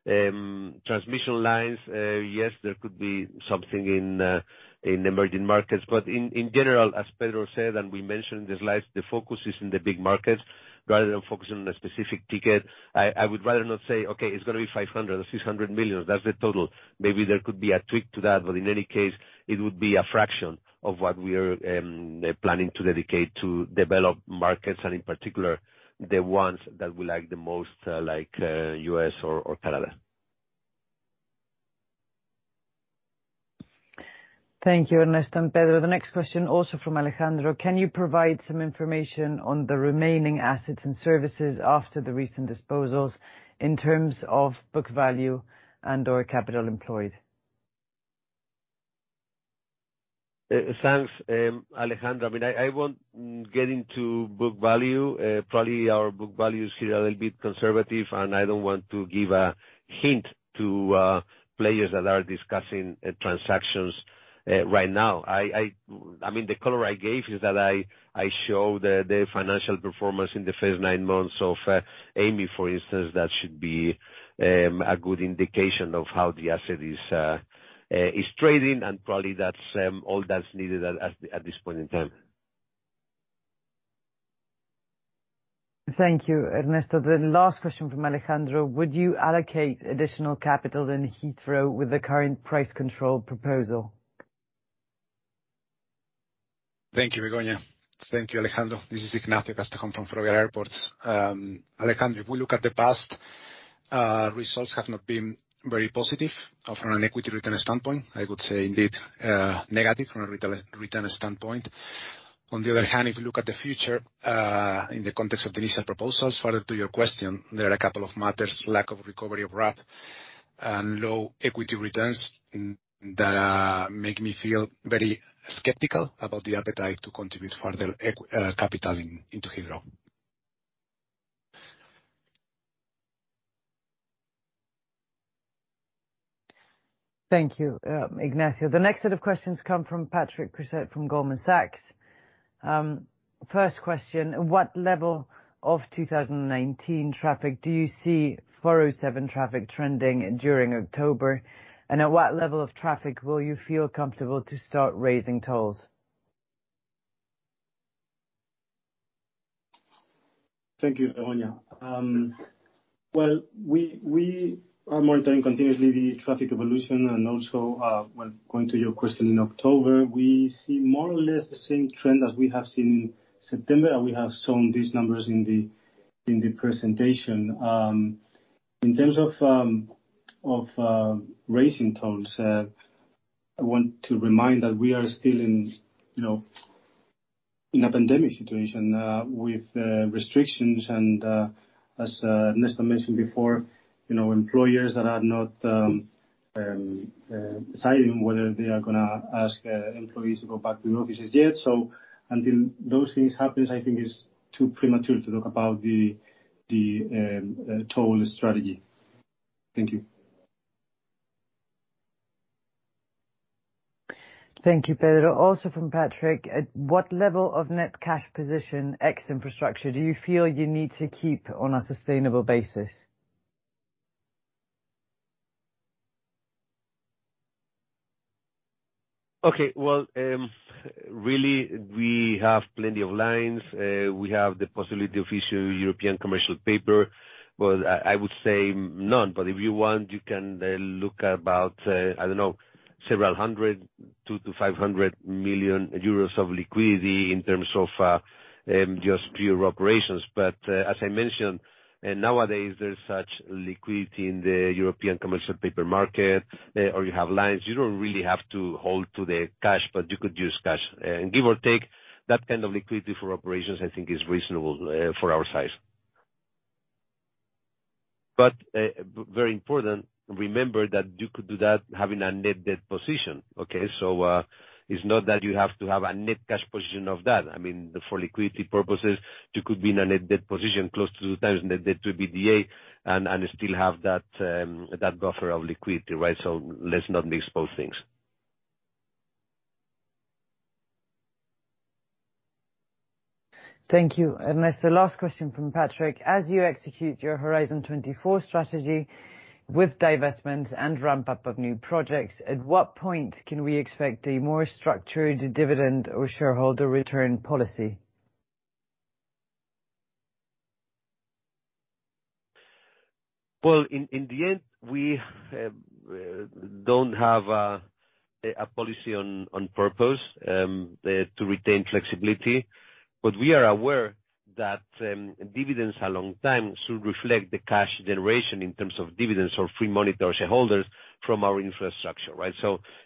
Transmission lines, yes, there could be something in emerging markets. In general, as Pedro said, and we mentioned the slides, the focus is in the big markets, rather than focusing on a specific ticket. I would rather not say, "Okay, it's gonna be 500 million or 600 million." That's the total. Maybe there could be a tweak to that, but in any case, it would be a fraction of what we're planning to dedicate to developed markets and in particular, the ones that we like the most, like, U.S. or Canada. Thank you, Ernesto and Pedro. The next question, also from Alejandro. Can you provide some information on the remaining assets and services after the recent disposals in terms of book value and/or capital employed? Thanks, Alejandro. I mean, I won't get into book value. Probably our book value is still a little bit conservative, and I don't want to give a hint to players that are discussing transactions right now. I mean, the color I gave is that I show the financial performance in the first nine months of Amey, for instance. That should be a good indication of how the asset is trading, and probably that's all that's needed at this point in time. Thank you, Ernesto. The last question from Alejandro: Would you allocate additional capital in Heathrow with the current price control proposal? Thank you, Begoña. Thank you, Alejandro. This is Ignacio Castejón from Ferrovial Airports. Alejandro, if we look at the past, results have not been very positive from an equity return standpoint. I would say indeed, negative from a return standpoint. On the other hand, if you look at the future, in the context of the initial proposals, further to your question, there are a couple of matters, lack of recovery of RAB and low equity returns, that make me feel very skeptical about the appetite to contribute further capital into Heathrow. Thank you, Ignacio. The next set of questions come from Patrick Creuset from Goldman Sachs. First question, what level of 2019 traffic do you see 407 traffic trending during October? And at what level of traffic will you feel comfortable to start raising tolls? Thank you, Begoña. We are monitoring continuously the traffic evolution and also according to your question, in October, we see more or less the same trend as we have seen in September, and we have shown these numbers in the presentation. In terms of raising tolls, I want to remind that we are still in, you know, a pandemic situation with restrictions and as Ernesto mentioned before, you know, employers that are not deciding whether they are gonna ask employees to go back to the offices yet. Until those things happens, I think it's too premature to talk about the toll strategy. Thank you. Thank you, Pedro. Also from Patrick, at what level of net cash position, ex-infrastructure, do you feel you need to keep on a sustainable basis? Okay. Well, really we have plenty of lines. We have the possibility of issuing Euro commercial paper, but I would say none, but if you want, you can look about, I don't know, several hundred, 200 million-500 million euros of liquidity in terms of, just pure operations. But, as I mentioned, nowadays there's such liquidity in the Euro commercial paper market, or you have lines, you don't really have to hold to the cash, but you could use cash. Give or take, that kind of liquidity for operations, I think is reasonable, for our size. But, very important, remember that you could do that having a net debt position, okay? It's not that you have to have a net cash position of that. I mean, for liquidity purposes, you could be in a net debt position close to two times net debt to EBITDA and still have that buffer of liquidity, right? Let's not mix those things. Thank you, Ernesto. Last question from Patrick. As you execute your Horizon 24 strategy with divestment and ramp-up of new projects, at what point can we expect a more structured dividend or shareholder return policy? Well, in the end, we don't have a policy on purpose to retain flexibility, but we are aware that dividends over time should reflect the cash generation in terms of dividends or free money to our shareholders from our infrastructure, right?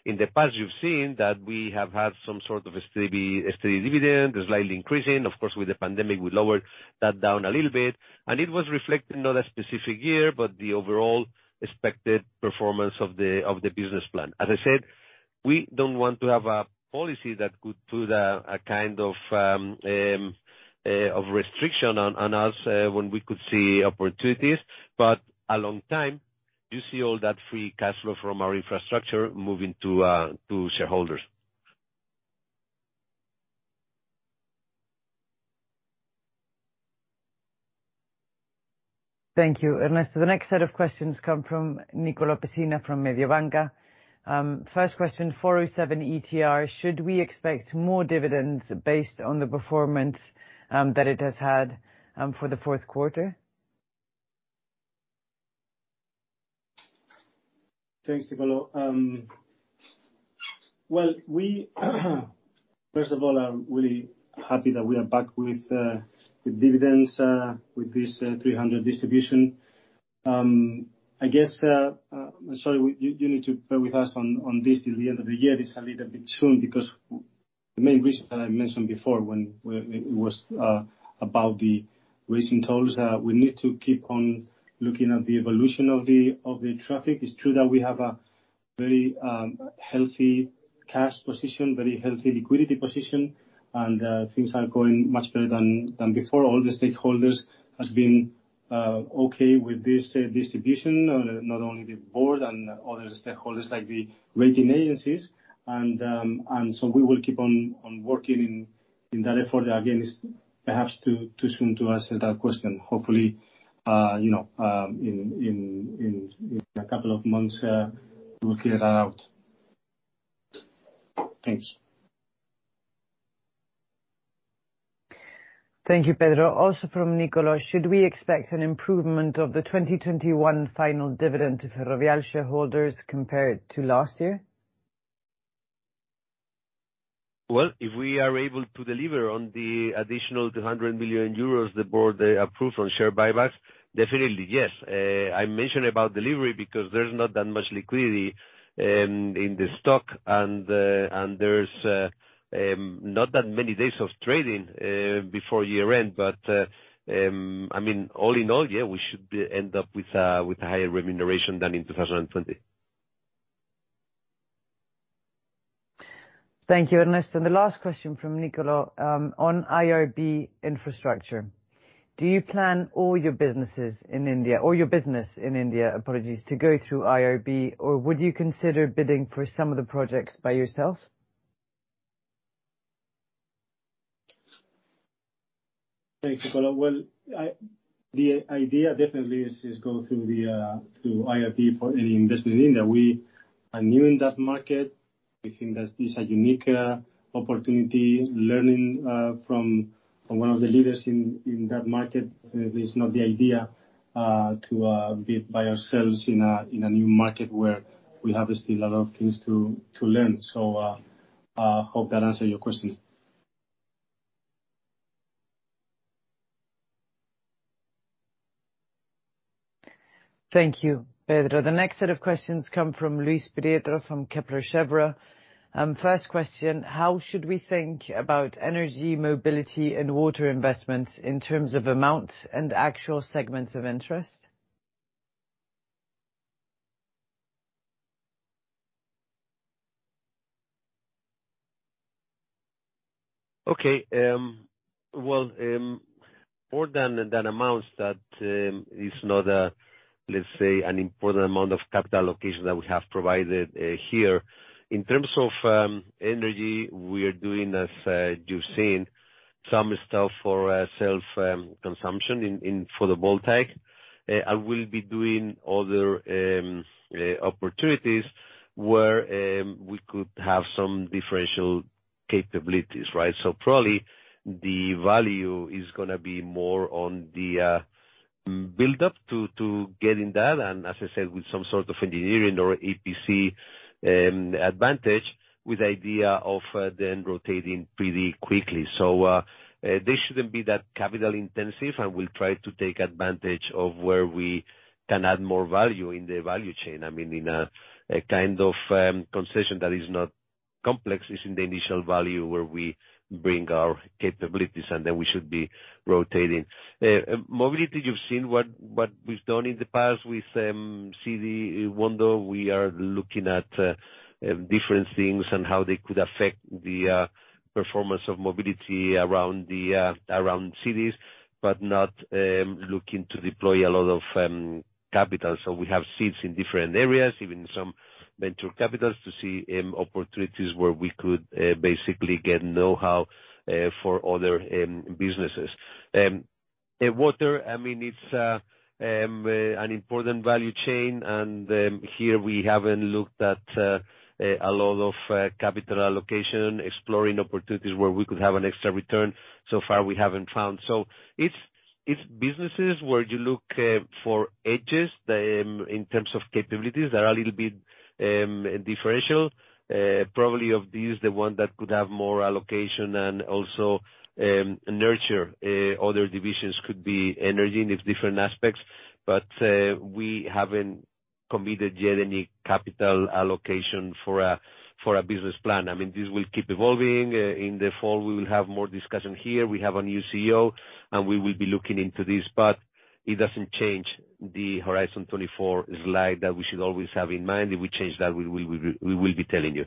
In the past, you've seen that we have had some sort of a steady dividend, slightly increasing. Of course, with the pandemic, we lowered that down a little bit, and it was reflected, not a specific year, but the overall expected performance of the business plan. As I said, we don't want to have a policy that could put a kind of restriction on us when we could see opportunities, but over time, you see all that free cash flow from our infrastructure moving to shareholders. Thank you, Ernesto. The next set of questions come from Nicolo Pessina from Mediobanca. First question, 407 ETR, should we expect more dividends based on the performance that it has had for the fourth quarter? Thanks, Nicolo. Well, we, first of all, are really happy that we are back with dividends, with this 300 distribution. I guess, sorry, you need to bear with us on this till the end of the year. It's a little bit soon because the main reason that I mentioned before, it was about the recent tolls, we need to keep on looking at the evolution of the traffic. It's true that we have a very healthy cash position, very healthy liquidity position, and things are going much better than before. All the stakeholders has been okay with this distribution, not only the board and other stakeholders like the rating agencies. We will keep on working in that effort. Again, it's perhaps too soon to answer that question. Hopefully, you know, in a couple of months, we'll clear that out. Thanks. Thank you, Pedro. Also from Nicolo: Should we expect an improvement of the 2021 final dividend to Ferrovial shareholders compared to last year? Well, if we are able to deliver on the additional 200 million euros the board approved on share buybacks, definitely, yes. I mention about delivery because there's not that much liquidity in the stock and there's not that many days of trading before year-end. I mean, all in all, yeah, we should end up with higher remuneration than in 2020. Thank you, Ernesto. The last question from Nicolo on IRB Infrastructure: Do you plan your business in India to go through IRB, or would you consider bidding for some of the projects by yourself? Thanks, Nicolo. Well, the idea definitely is to go through IRB for any investment in India. We are new in that market. We think that this is a unique opportunity. Learning from one of the leaders in that market is not the idea to bid by ourselves in a new market where we have still a lot of things to learn. Hope that answers your question. Thank you, Pedro. The next set of questions come from Luis Prieto from Kepler Cheuvreux. First question: How should we think about energy, mobility, and water investments in terms of amount and actual segments of interest? Okay, well, more than the net amounts, that is not a, let's say, an important amount of capital allocation that we have provided here. In terms of energy, we are doing, as you've seen, some stuff for self consumption in for the photovoltaic. I will be doing other opportunities where we could have some differential capabilities, right? So probably the value is gonna be more on the buildup to getting that, and as I said, with some sort of engineering or EPC advantage with idea of then rotating pretty quickly. So this shouldn't be that capital intensive, and we'll try to take advantage of where we can add more value in the value chain. I mean, in a kind of concession that is not complex. It's in the initial value where we bring our capabilities, and then we should be rotating. Mobility, you've seen what we've done in the past with Zity. We are looking at different things and how they could affect the performance of mobility around cities, but not looking to deploy a lot of capital. We have seats in different areas, even some venture capital to see opportunities where we could basically get know-how for other businesses. Water, I mean, it's an important value chain, and here we haven't looked at a lot of capital allocation, exploring opportunities where we could have an extra return. So far, we haven't found. It's businesses where you look for edges in terms of capabilities that are a little bit differential. Probably of these, the one that could have more allocation and also nurture other divisions could be energy and its different aspects. We haven't committed yet any capital allocation for a business plan. I mean, this will keep evolving. In the fall, we will have more discussion here. We have a new CEO, and we will be looking into this, but it doesn't change the Horizon 24 slide that we should always have in mind. If we change that, we will be telling you.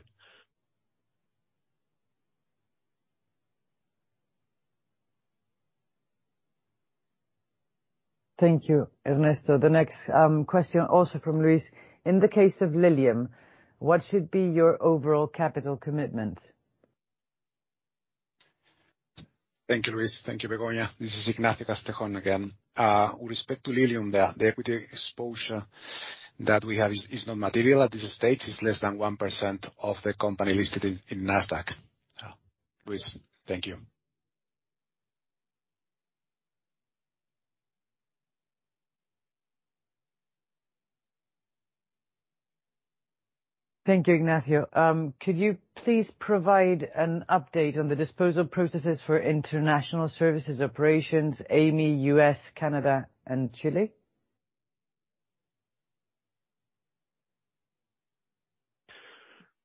Thank you, Ernesto. The next question also from Luis. In the case of Lilium, what should be your overall capital commitment? Thank you, Luis. Thank you, Begoña. This is Ignacio Castejón again. With respect to Lilium, the equity exposure that we have is not material at this stage. It's less than 1% of the company listed in Nasdaq. Luis, thank you. Thank you, Ignacio. Could you please provide an update on the disposal processes for International Services Operations, Amey, U.S., Canada, and Chile?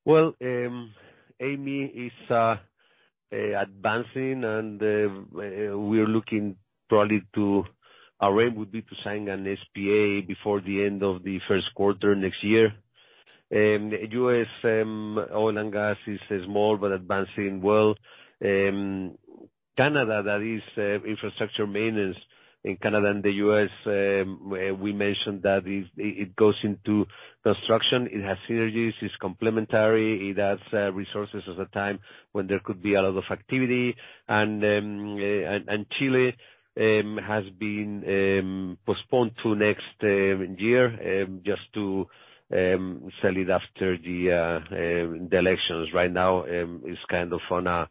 Well, Amey is advancing, and we're looking probably. Our aim would be to sign an SPA before the end of the first quarter next year. U.S. oil and gas is more but advancing well. Canada, that is, infrastructure maintenance in Canada and the U.S., we mentioned that it goes into construction. It has synergies, it's complementary, it has resources at a time when there could be a lot of activity. Chile has been postponed to next year, just to sell it after the elections. Right now, it's kind of on a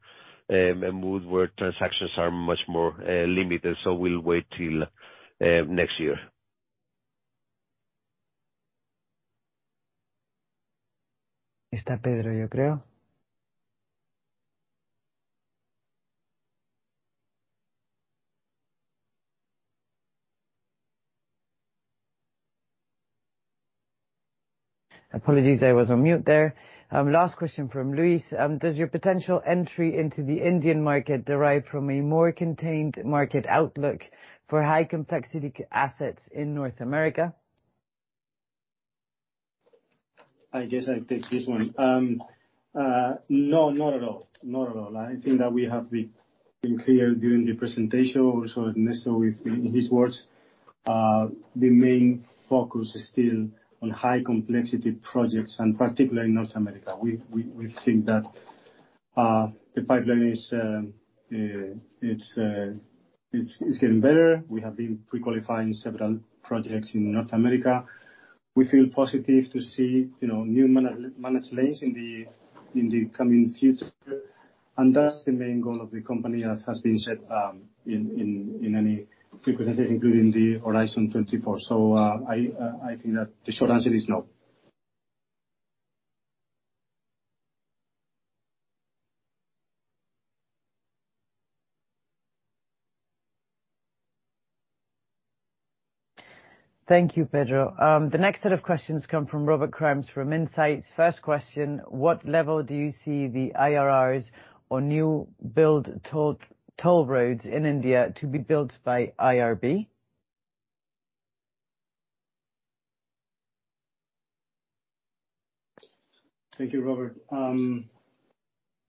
mood where transactions are much more limited, so we'll wait till next year. Apologies, I was on mute there. Last question from Luis. Does your potential entry into the Indian market derive from a more contained market outlook for high complexity assets in North America? I guess I'll take this one. No, not at all. I think that we have been clear during the presentation, also Ernesto with, in his words, the main focus is still on high complexity projects, and particularly in North America. We think that the pipeline is getting better. We have been pre-qualifying several projects in North America. We feel positive to see, you know, new management in the coming future. That's the main goal of the company, as has been said, in any presentation, including the Horizon 24. I think that the short answer is no. Thank you, Pedro. The next set of questions come from Robert Krams from Insight. First question: What level do you see the IRRs on new build toll roads in India to be built by IRB? Thank you, Robert.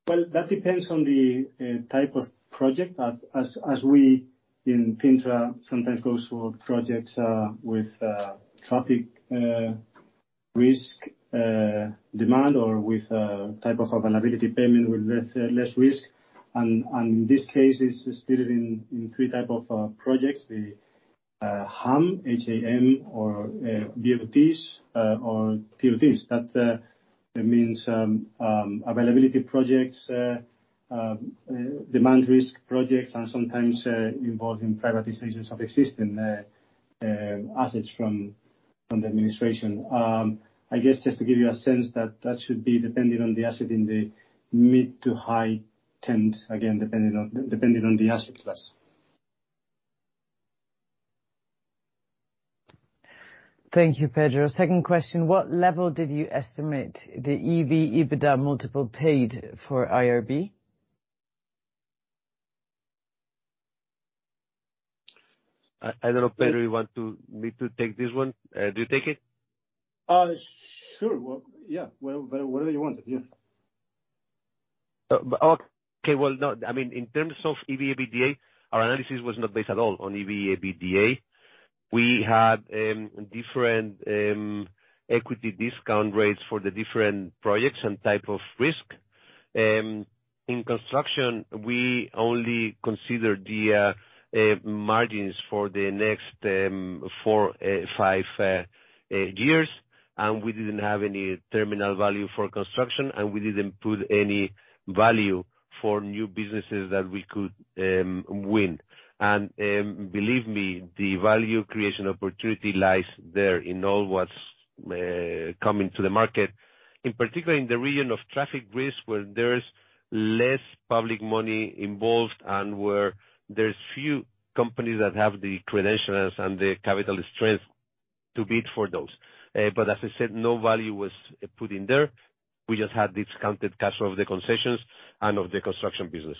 Well, that depends on the type of project. As we in Cintra sometimes go for projects with traffic risk demand or with type of availability payment with less risk. In this case, it's split in three type of projects. The HAM, H-A-M, or BOTs or TOTs. That means availability projects demand risk projects and sometimes involving private decisions of existing assets from the administration. I guess just to give you a sense that that should be dependent on the asset in the mid to high tens, again, dependent on the asset class. Thank you, Pedro. Second question: What level did you estimate the EV/EBITDA multiple paid for IRB? I don't know if Pedro need to take this one. Do you take it? Sure. Well, yeah. Well, whatever you want. Yeah. Okay. Well, no, I mean, in terms of EV/EBITDA, our analysis was not based at all on EV/EBITDA. We had different equity discount rates for the different projects and type of risk. In construction, we only consider the margins for the next 4-5 years, and we didn't have any terminal value for construction, and we didn't put any value for new businesses that we could win. Believe me, the value creation opportunity lies there in all what's coming to the market. In particular, in the region of traffic risk, where there is less public money involved and where there's few companies that have the credentials and the capital strength to bid for those. As I said, no value was put in there. We just had discounted cash flow of the concessions and of the construction business.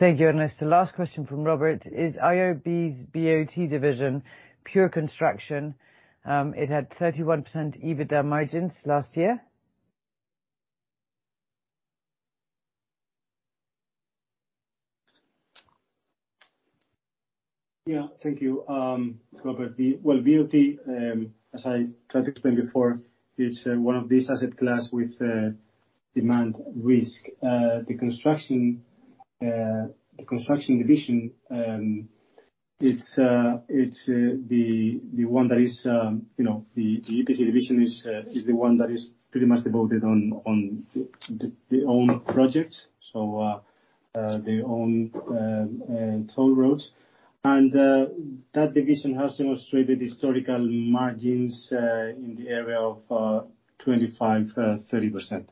Thank you, Ernesto. Last question from Robert Krams: Is IRB's BOT division pure construction? It had 31% EBITDA margins last year. Yeah. Thank you, Robert. Well, BOT, as I tried to explain before, it's one of this asset class with demand risk. The construction division, it's the one that is, you know, the EPC division is the one that is pretty much devoted on the owned projects. So They own toll roads. That division has demonstrated historical margins in the area of 25%-30%.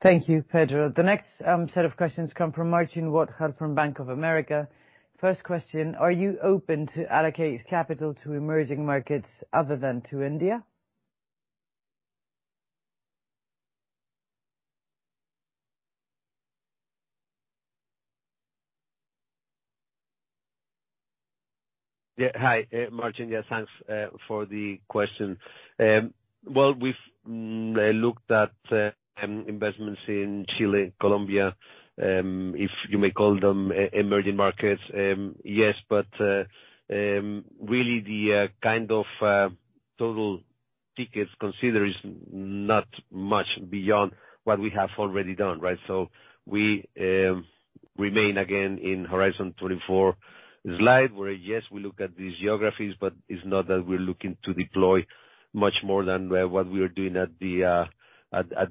Thank you, Pedro. The next set of questions come from Marcin Wojtal from Bank of America. First question, are you open to allocate capital to emerging markets other than to India? Yeah. Hi, Marcin. Yeah, thanks for the question. Well, we've looked at investments in Chile, Colombia, if you may call them emerging markets, yes. Really the kind of total ticket size considered is not much beyond what we have already done, right? We remain again in Horizon 24 slide, where, yes, we look at these geographies, but it's not that we're looking to deploy much more than what we are doing at the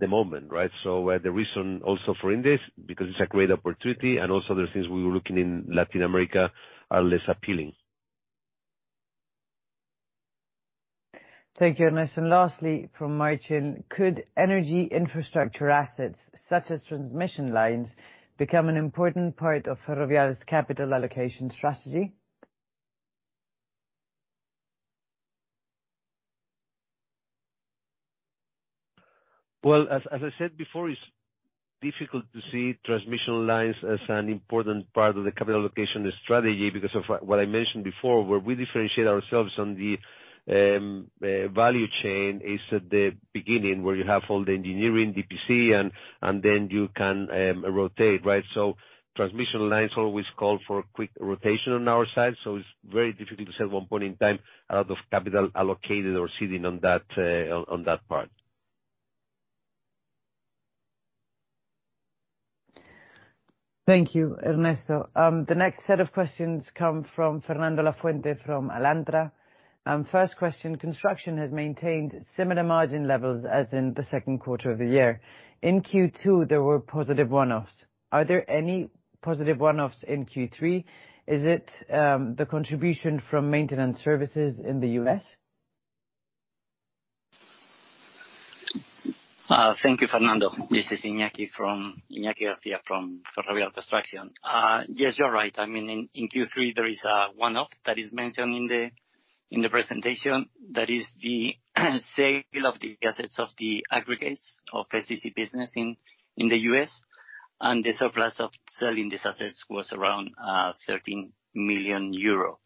moment, right? The reason we're also in this, because it's a great opportunity and also the things we were looking in Latin America are less appealing. Thank you, Ernesto. Lastly from Marcin, could energy infrastructure assets such as transmission lines become an important part of Ferrovial's capital allocation strategy? Well, as I said before, it's difficult to see transmission lines as an important part of the capital allocation strategy because of what I mentioned before, where we differentiate ourselves on the value chain is at the beginning, where you have all the engineering, EPC, and then you can rotate, right? Transmission lines always call for quick rotation on our side, so it's very difficult to say at one point in time, a lot of capital allocated or sitting on that part. Thank you, Ernesto. The next set of questions come from Fernando Lafuente from Alantra. First question, construction has maintained similar margin levels as in the second quarter of the year. In Q2, there were positive one-offs. Are there any positive one-offs in Q3? Is it the contribution from maintenance services in the U.S.? Thank you, Fernando. This is Iñaki García from Ferrovial Construction. Yes, you're right. I mean, in Q3, there is a one-off that is mentioned in the presentation. That is the sale of the assets of the aggregates of the SCC business in the U.S. The surplus of selling these assets was around 13 million euro.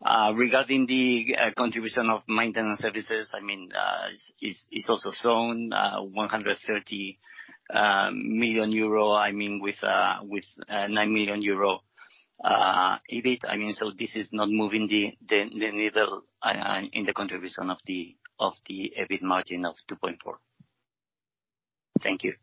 Regarding the contribution of maintenance services, I mean, is also strong, 130 million euro, I mean, with 9 million euro EBIT. I mean, so this is not moving the needle in the contribution of the EBIT margin of 2.4%. Thank you.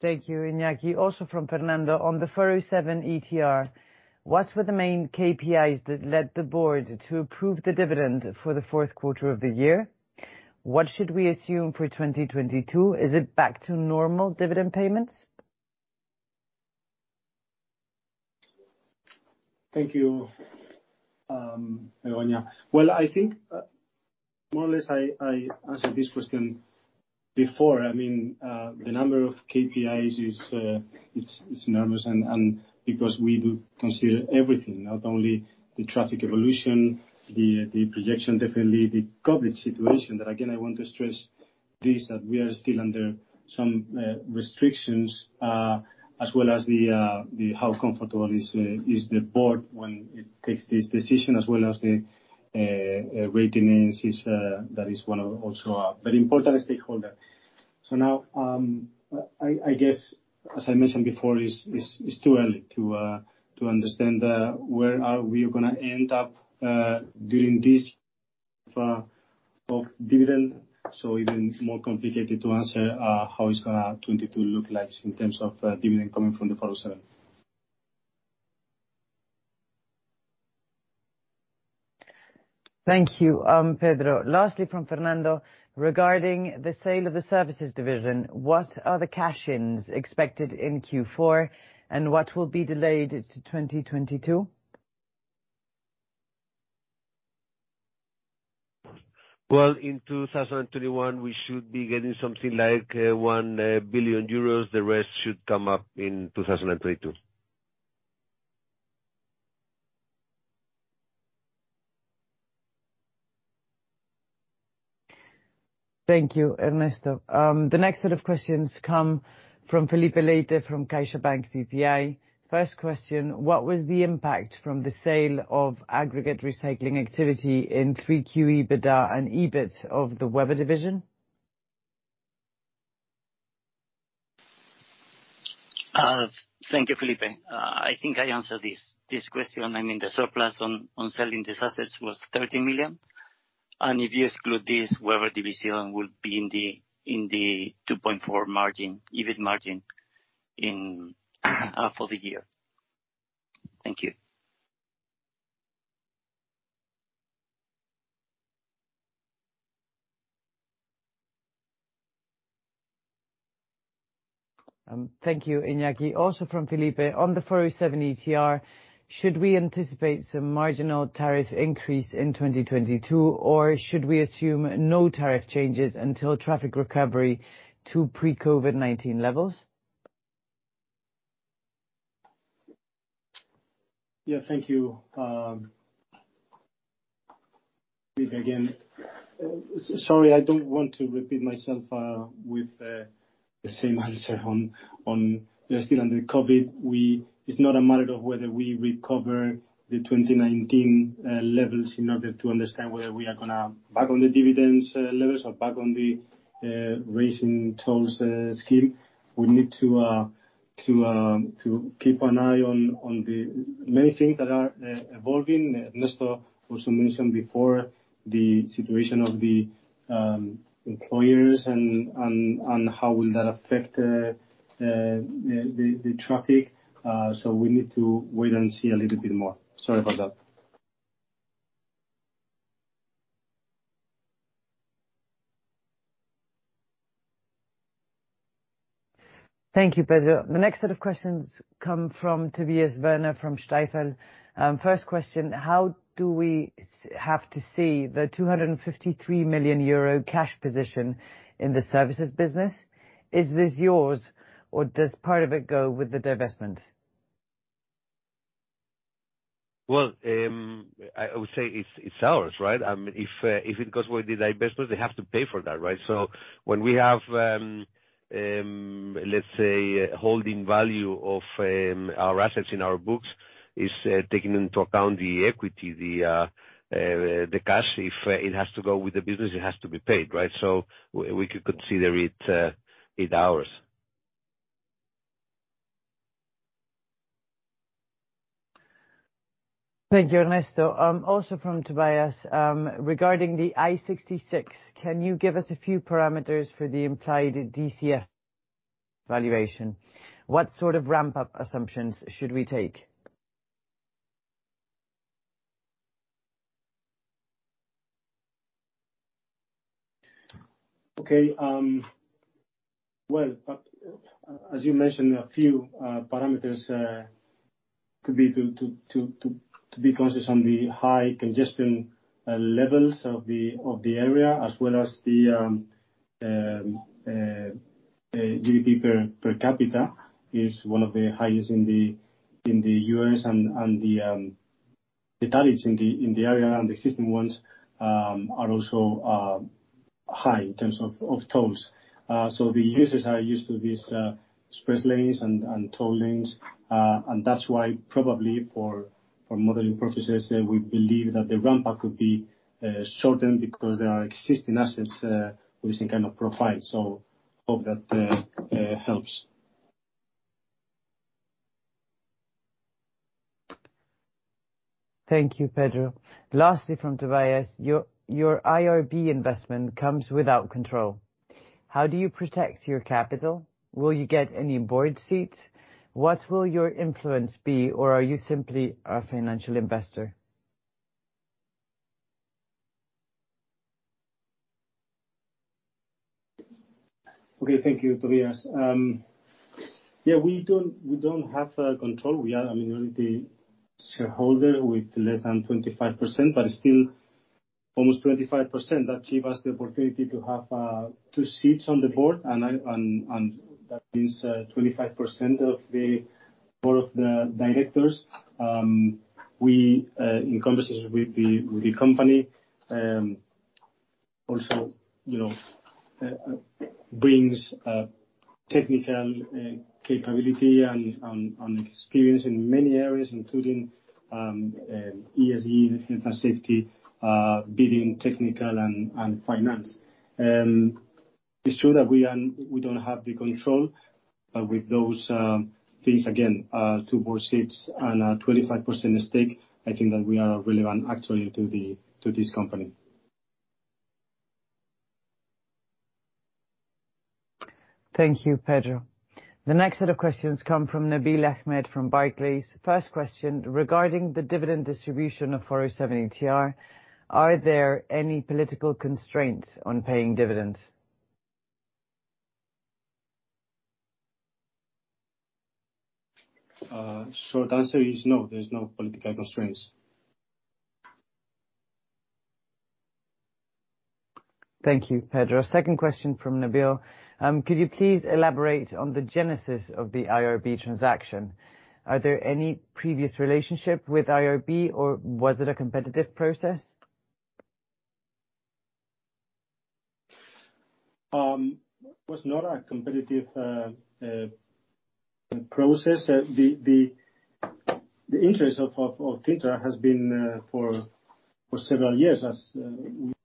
Thank you, Iñaki. Also from Fernando, on the 407 ETR, what were the main KPIs that led the board to approve the dividend for the fourth quarter of the year? What should we assume for 2022? Is it back to normal dividend payments? Thank you, Begoña. Well, I think, more or less I answered this question before. I mean, the number of KPIs is, it's numerous and because we do consider everything, not only the traffic evolution, the projection, definitely the COVID situation, that again, I want to stress this, that we are still under some restrictions, as well as the how comfortable is the board when it takes this decision, as well as the ratings is, that is one of also a very important stakeholder. Now, I guess, as I mentioned before, it's too early to understand, where are we gonna end up, during this of dividend. Even more complicated to answer how 2022 looks like in terms of dividend coming from the 407. Thank you, Pedro. Lastly from Fernando, regarding the sale of the services division, what are the cash-ins expected in Q4, and what will be delayed to 2022? Well, in 2021, we should be getting something like 1 billion euros. The rest should come up in 2022. Thank you, Ernesto. The next set of questions come from Felipe Later from CaixaBank BPI. First question, what was the impact from the sale of aggregate recycling activity in 3Q EBITDA and EBIT of the Webber division? Thank you, Felipe. I think I answered this question. I mean, the surplus on selling these assets was 13 million. If you exclude this, where will the dividend be in the 2.4% margin, EBIT margin for the year? Thank you. Thank you, Iñaki. Also from Felipe: On the 407 ETR, should we anticipate some marginal tariff increase in 2022, or should we assume no tariff changes until traffic recovery to pre-COVID-19 levels? Yeah. Thank you, Felipe again. Sorry, I don't want to repeat myself with the same answer on you know still under COVID. It's not a matter of whether we recover the 2019 levels in order to understand whether we are gonna back on the dividends levels or back on the raising tolls scheme. We need to keep an eye on the many things that are evolving. Ernesto also mentioned before the situation of the employment and how will that affect the traffic. We need to wait and see a little bit more. Sorry about that. Thank you, Pedro. The next set of questions come from Tobias Woerner from Stifel. First question, how do we see the 253 million euro cash position in the services business? Is this yours, or does part of it go with the divestment? Well, I would say it's ours, right? If it goes with the divestment, they have to pay for that, right? When we have, let's say, book value of our assets in our books, it's taking into account the equity, the cash. If it has to go with the business, it has to be paid, right? We could consider it ours. Thank you, Ernesto. Also from Tobias, regarding the I-66, can you give us a few parameters for the implied DCF valuation? What sort of ramp-up assumptions should we take? Okay. Well, as you mentioned, a few parameters could be to be conscious of the high congestion levels of the area, as well as the GDP per capita is one of the highest in the U.S. The tariffs in the area, and the existing ones, are also high in terms of tolls. The users are used to these express lanes and toll lanes. That's why probably for modeling purposes, we believe that the ramp-up could be shortened because there are existing assets with the same kind of profile. Hope that helps. Thank you, Pedro. Lastly from Tobias, your IRB investment comes without control. How do you protect your capital? Will you get any board seats? What will your influence be, or are you simply a financial investor? Okay. Thank you, Tobias. Yeah, we don't have control. We are a minority shareholder with less than 25%, but still almost 25%. That gives us the opportunity to have two seats on the board, and that is 25% of the board of directors. We, in conversation with the company, also, you know, brings technical capability and experience in many areas, including ESG, health and safety, bidding, technical and finance. It's true that we don't have the control, but with those things, again, two board seats and a 25% stake, I think that we are relevant actually to this company. Thank you, Pedro. The next set of questions come from Nabil Ahmed from Barclays. First question, regarding the dividend distribution of 407 ETR, are there any political constraints on paying dividends? Short answer is no. There's no political constraints. Thank you, Pedro. Second question from Nabil. Could you please elaborate on the genesis of the IRB transaction? Are there any previous relationship with IRB, or was it a competitive process? It was not a competitive process. The interest of Cintra has been for several years, as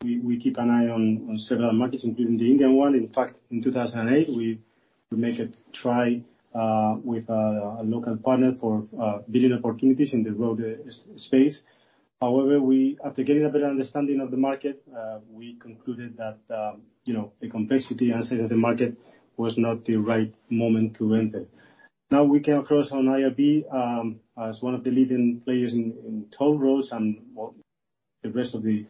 we keep an eye on several markets, including the Indian one. In fact, in 2008, we make a try with a local partner for building opportunities in the road space. However, after getting a better understanding of the market, we concluded that, you know, the complexity and state of the market was not the right moment to enter. Now, we came across IRB as one of the leading players in toll roads and well, the rest of the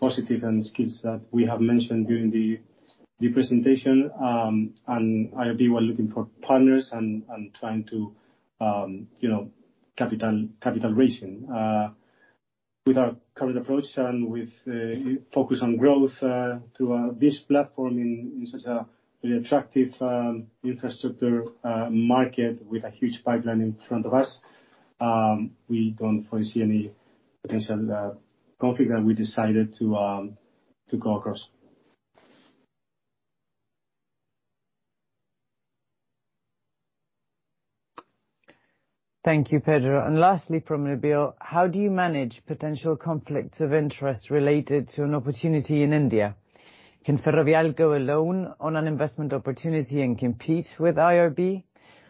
positive and skills that we have mentioned during the presentation. IRB were looking for partners and trying to, you know, capital raising. With our current approach and with focus on growth through this platform in such a really attractive infrastructure market with a huge pipeline in front of us, we don't foresee any potential conflict, and we decided to go across. Thank you, Pedro. Lastly from Nabil: How do you manage potential conflicts of interest related to an opportunity in India? Can Ferrovial go alone on an investment opportunity and compete with IRB,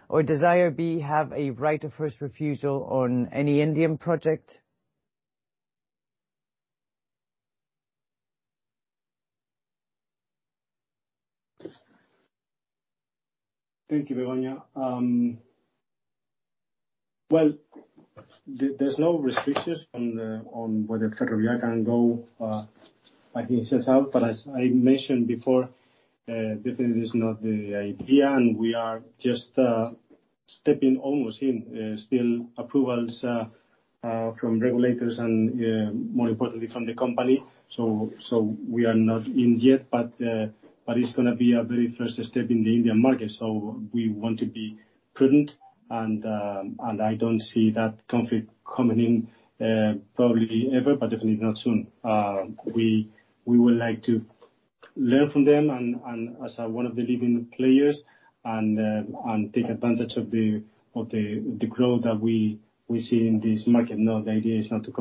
or does IRB have a right of first refusal on any Indian project? Thank you, Begoña. Well, there's no restrictions on whether Ferrovial can go by himself. As I mentioned before, definitely this is not the idea, and we are just stepping almost in, still approvals from regulators and more importantly from the company. We are not in yet, but it's gonna be a very first step in the Indian market. We want to be prudent and I don't see that conflict coming in probably ever, but definitely not soon. We would like to learn from them and as one of the leading players and take advantage of the growth that we see in this market. No, the idea is not to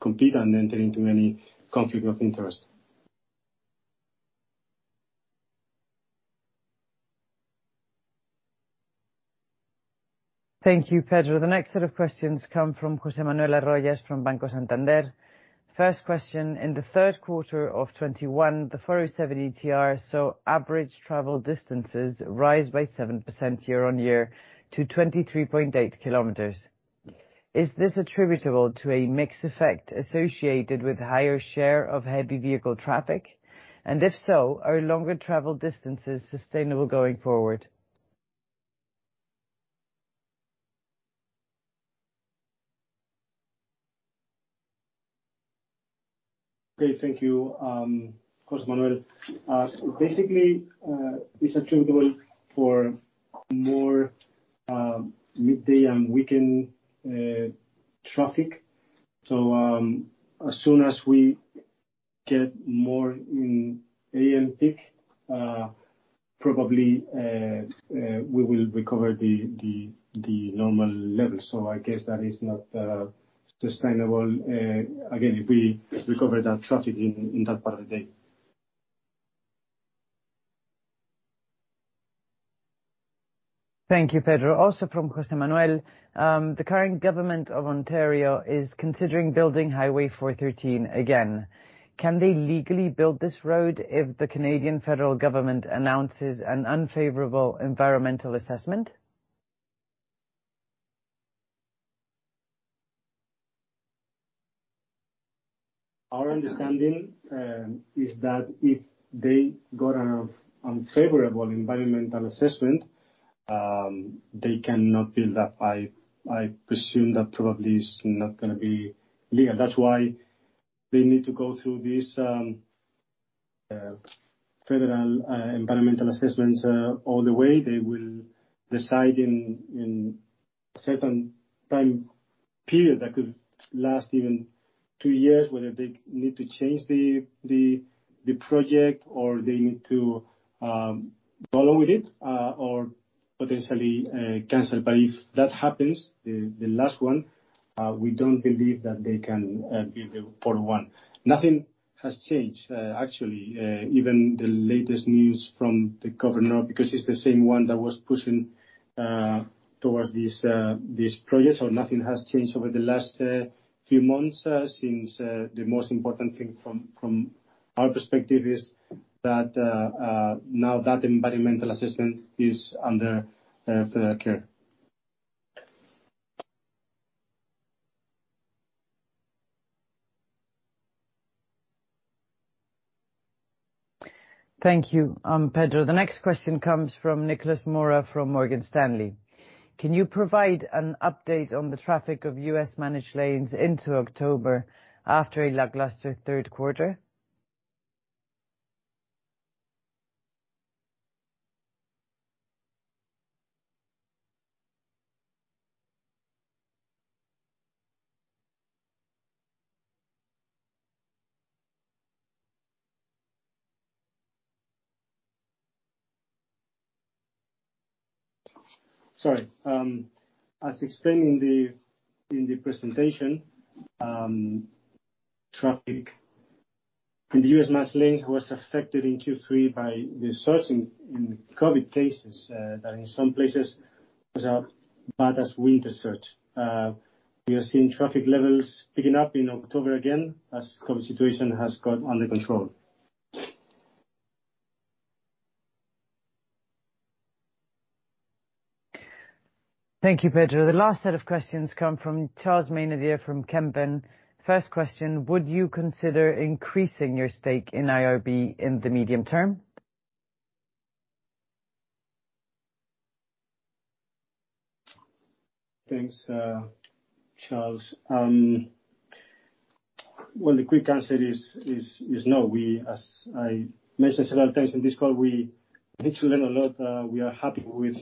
compete and enter into any conflict of interest. Thank you, Pedro. The next set of questions come from José Manuel Arroyo from Banco Santander. First question: In the third quarter of 2021, the 407 ETR saw average travel distances rise by 7% year-on-year to 23.8 km. Is this attributable to a mix effect associated with higher share of heavy vehicle traffic? And if so, are longer travel distances sustainable going forward? Okay, thank you, José Manuel. Basically, it's attributable to more midday and weekend traffic. As soon as we get more in A.M. peak, probably we will recover the normal level. I guess that is not sustainable again, if we recover that traffic in that part of the day. Thank you, Pedro. Also from José Manuel: The current government of Ontario is considering building Highway 413 again. Can they legally build this road if the Canadian federal government announces an unfavorable environmental assessment? Our understanding is that if they got an unfavorable environmental assessment, they cannot build that. I presume that probably is not gonna be legal. That's why they need to go through this federal environmental assessments all the way. They will decide in certain time period that could last even two years, whether they need to change the project or they need to follow with it or potentially cancel. If that happens, the last one, we don't believe that they can build the 401. Nothing has changed, actually, even the latest news from the governor, because he's the same one that was pushing towards this project. Nothing has changed over the last few months since the most important thing from our perspective is that now that environmental assessment is under federal care. Thank you, Pedro. The next question comes from Nicolas Mora from Morgan Stanley. Can you provide an update on the traffic of U.S. managed lanes into October after a lackluster third quarter? Sorry. As explained in the presentation, traffic in the U.S. Managed Lanes was affected in Q3 by the surge in COVID cases that in some places was as bad as winter surge. We are seeing traffic levels picking up in October again as COVID situation has got under control. Thank you, Pedro. The last set of questions come from Charles Maynadier from Kempen. First question: Would you consider increasing your stake in IRB in the medium term? Thanks, Charles. Well, the quick answer is no. We, as I mentioned several times in this call, we literally learn a lot. We are happy with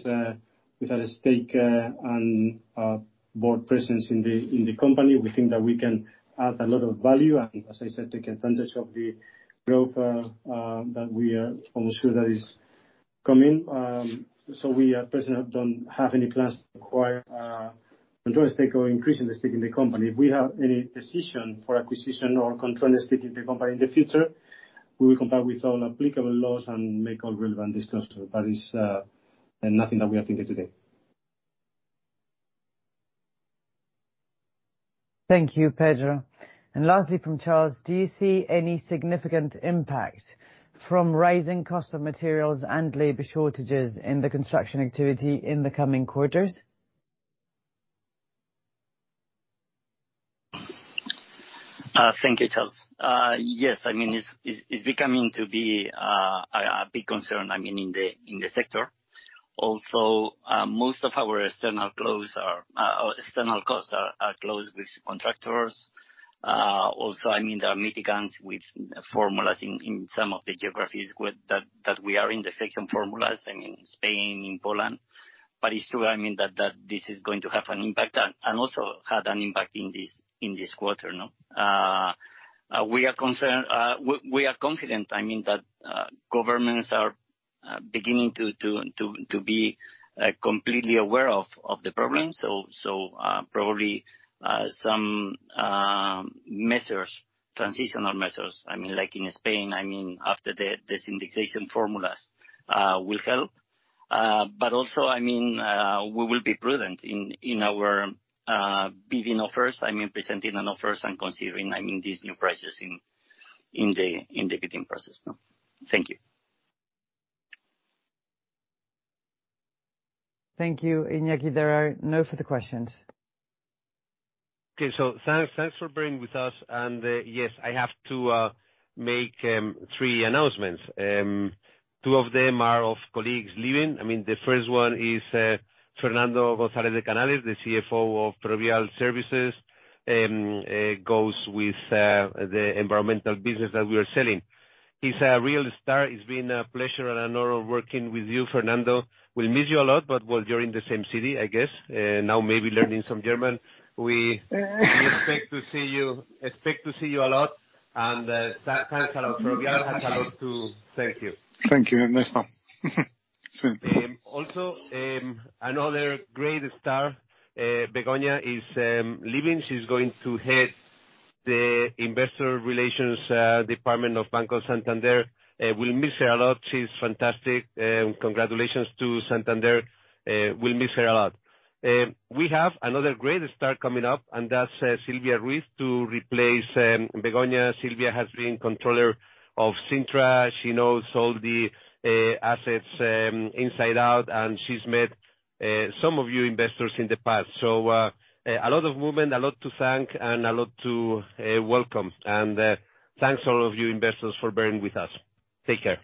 our stake and board presence in the company. We think that we can add a lot of value and, as I said, take advantage of the growth that we are almost sure that is coming. We at present don't have any plans to acquire majority stake or increase in the stake in the company. If we have any decision for acquisition or controlling stake in the company in the future, we will comply with all applicable laws and make all relevant discussions. It's nothing that we are thinking today. Thank you, Pedro. Lastly from Charles: Do you see any significant impact from rising cost of materials and labor shortages in the construction activity in the coming quarters? Thank you, Charles. Yes, I mean, it's becoming to be a big concern, I mean, in the sector. Also, most of our external costs are closed with contractors. Also, I mean, there are mitigants with formulas in some of the geographies that we are in, the second formulas, I mean, Spain and Poland. It's true, I mean that this is going to have an impact and also had an impact in this quarter, no? We are concerned. We are confident, I mean, that governments are beginning to be completely aware of the problem. Probably, some transitional measures, I mean, like in Spain, I mean, after the de-indexation formulas, will help. Also, I mean, we will be prudent in our bidding offers. I mean, presenting our offers and considering these new prices in the bidding process, no? Thank you. Thank you, Iñaki. There are no further questions. Okay. Thanks for bearing with us. Yes, I have to make three announcements. Two of them are of colleagues leaving. I mean, the first one is Fernando González de Canales, the CFO of Ferrovial Services, goes with the environmental business that we are selling. He's a real star. It's been a pleasure and an honor working with you, Fernando. We'll miss you a lot, but well, you're in the same city, I guess, now maybe learning some German. We expect to see you a lot. Thanks a lot. Ferrovial has a lot to thank you. Thank you, Ernesto. Also, another great star, Begoña, is leaving. She's going to head the investor relations department of Banco Santander. We'll miss her a lot. She's fantastic. Congratulations to Santander. We'll miss her a lot. We have another great star coming up, and that's Silvia Ruiz to replace Begoña. Silvia has been controller of Cintra. She knows all the assets inside out, and she's met some of you investors in the past. A lot of movement, a lot to thank, and a lot to welcome. Thanks all of you investors for bearing with us. Take care.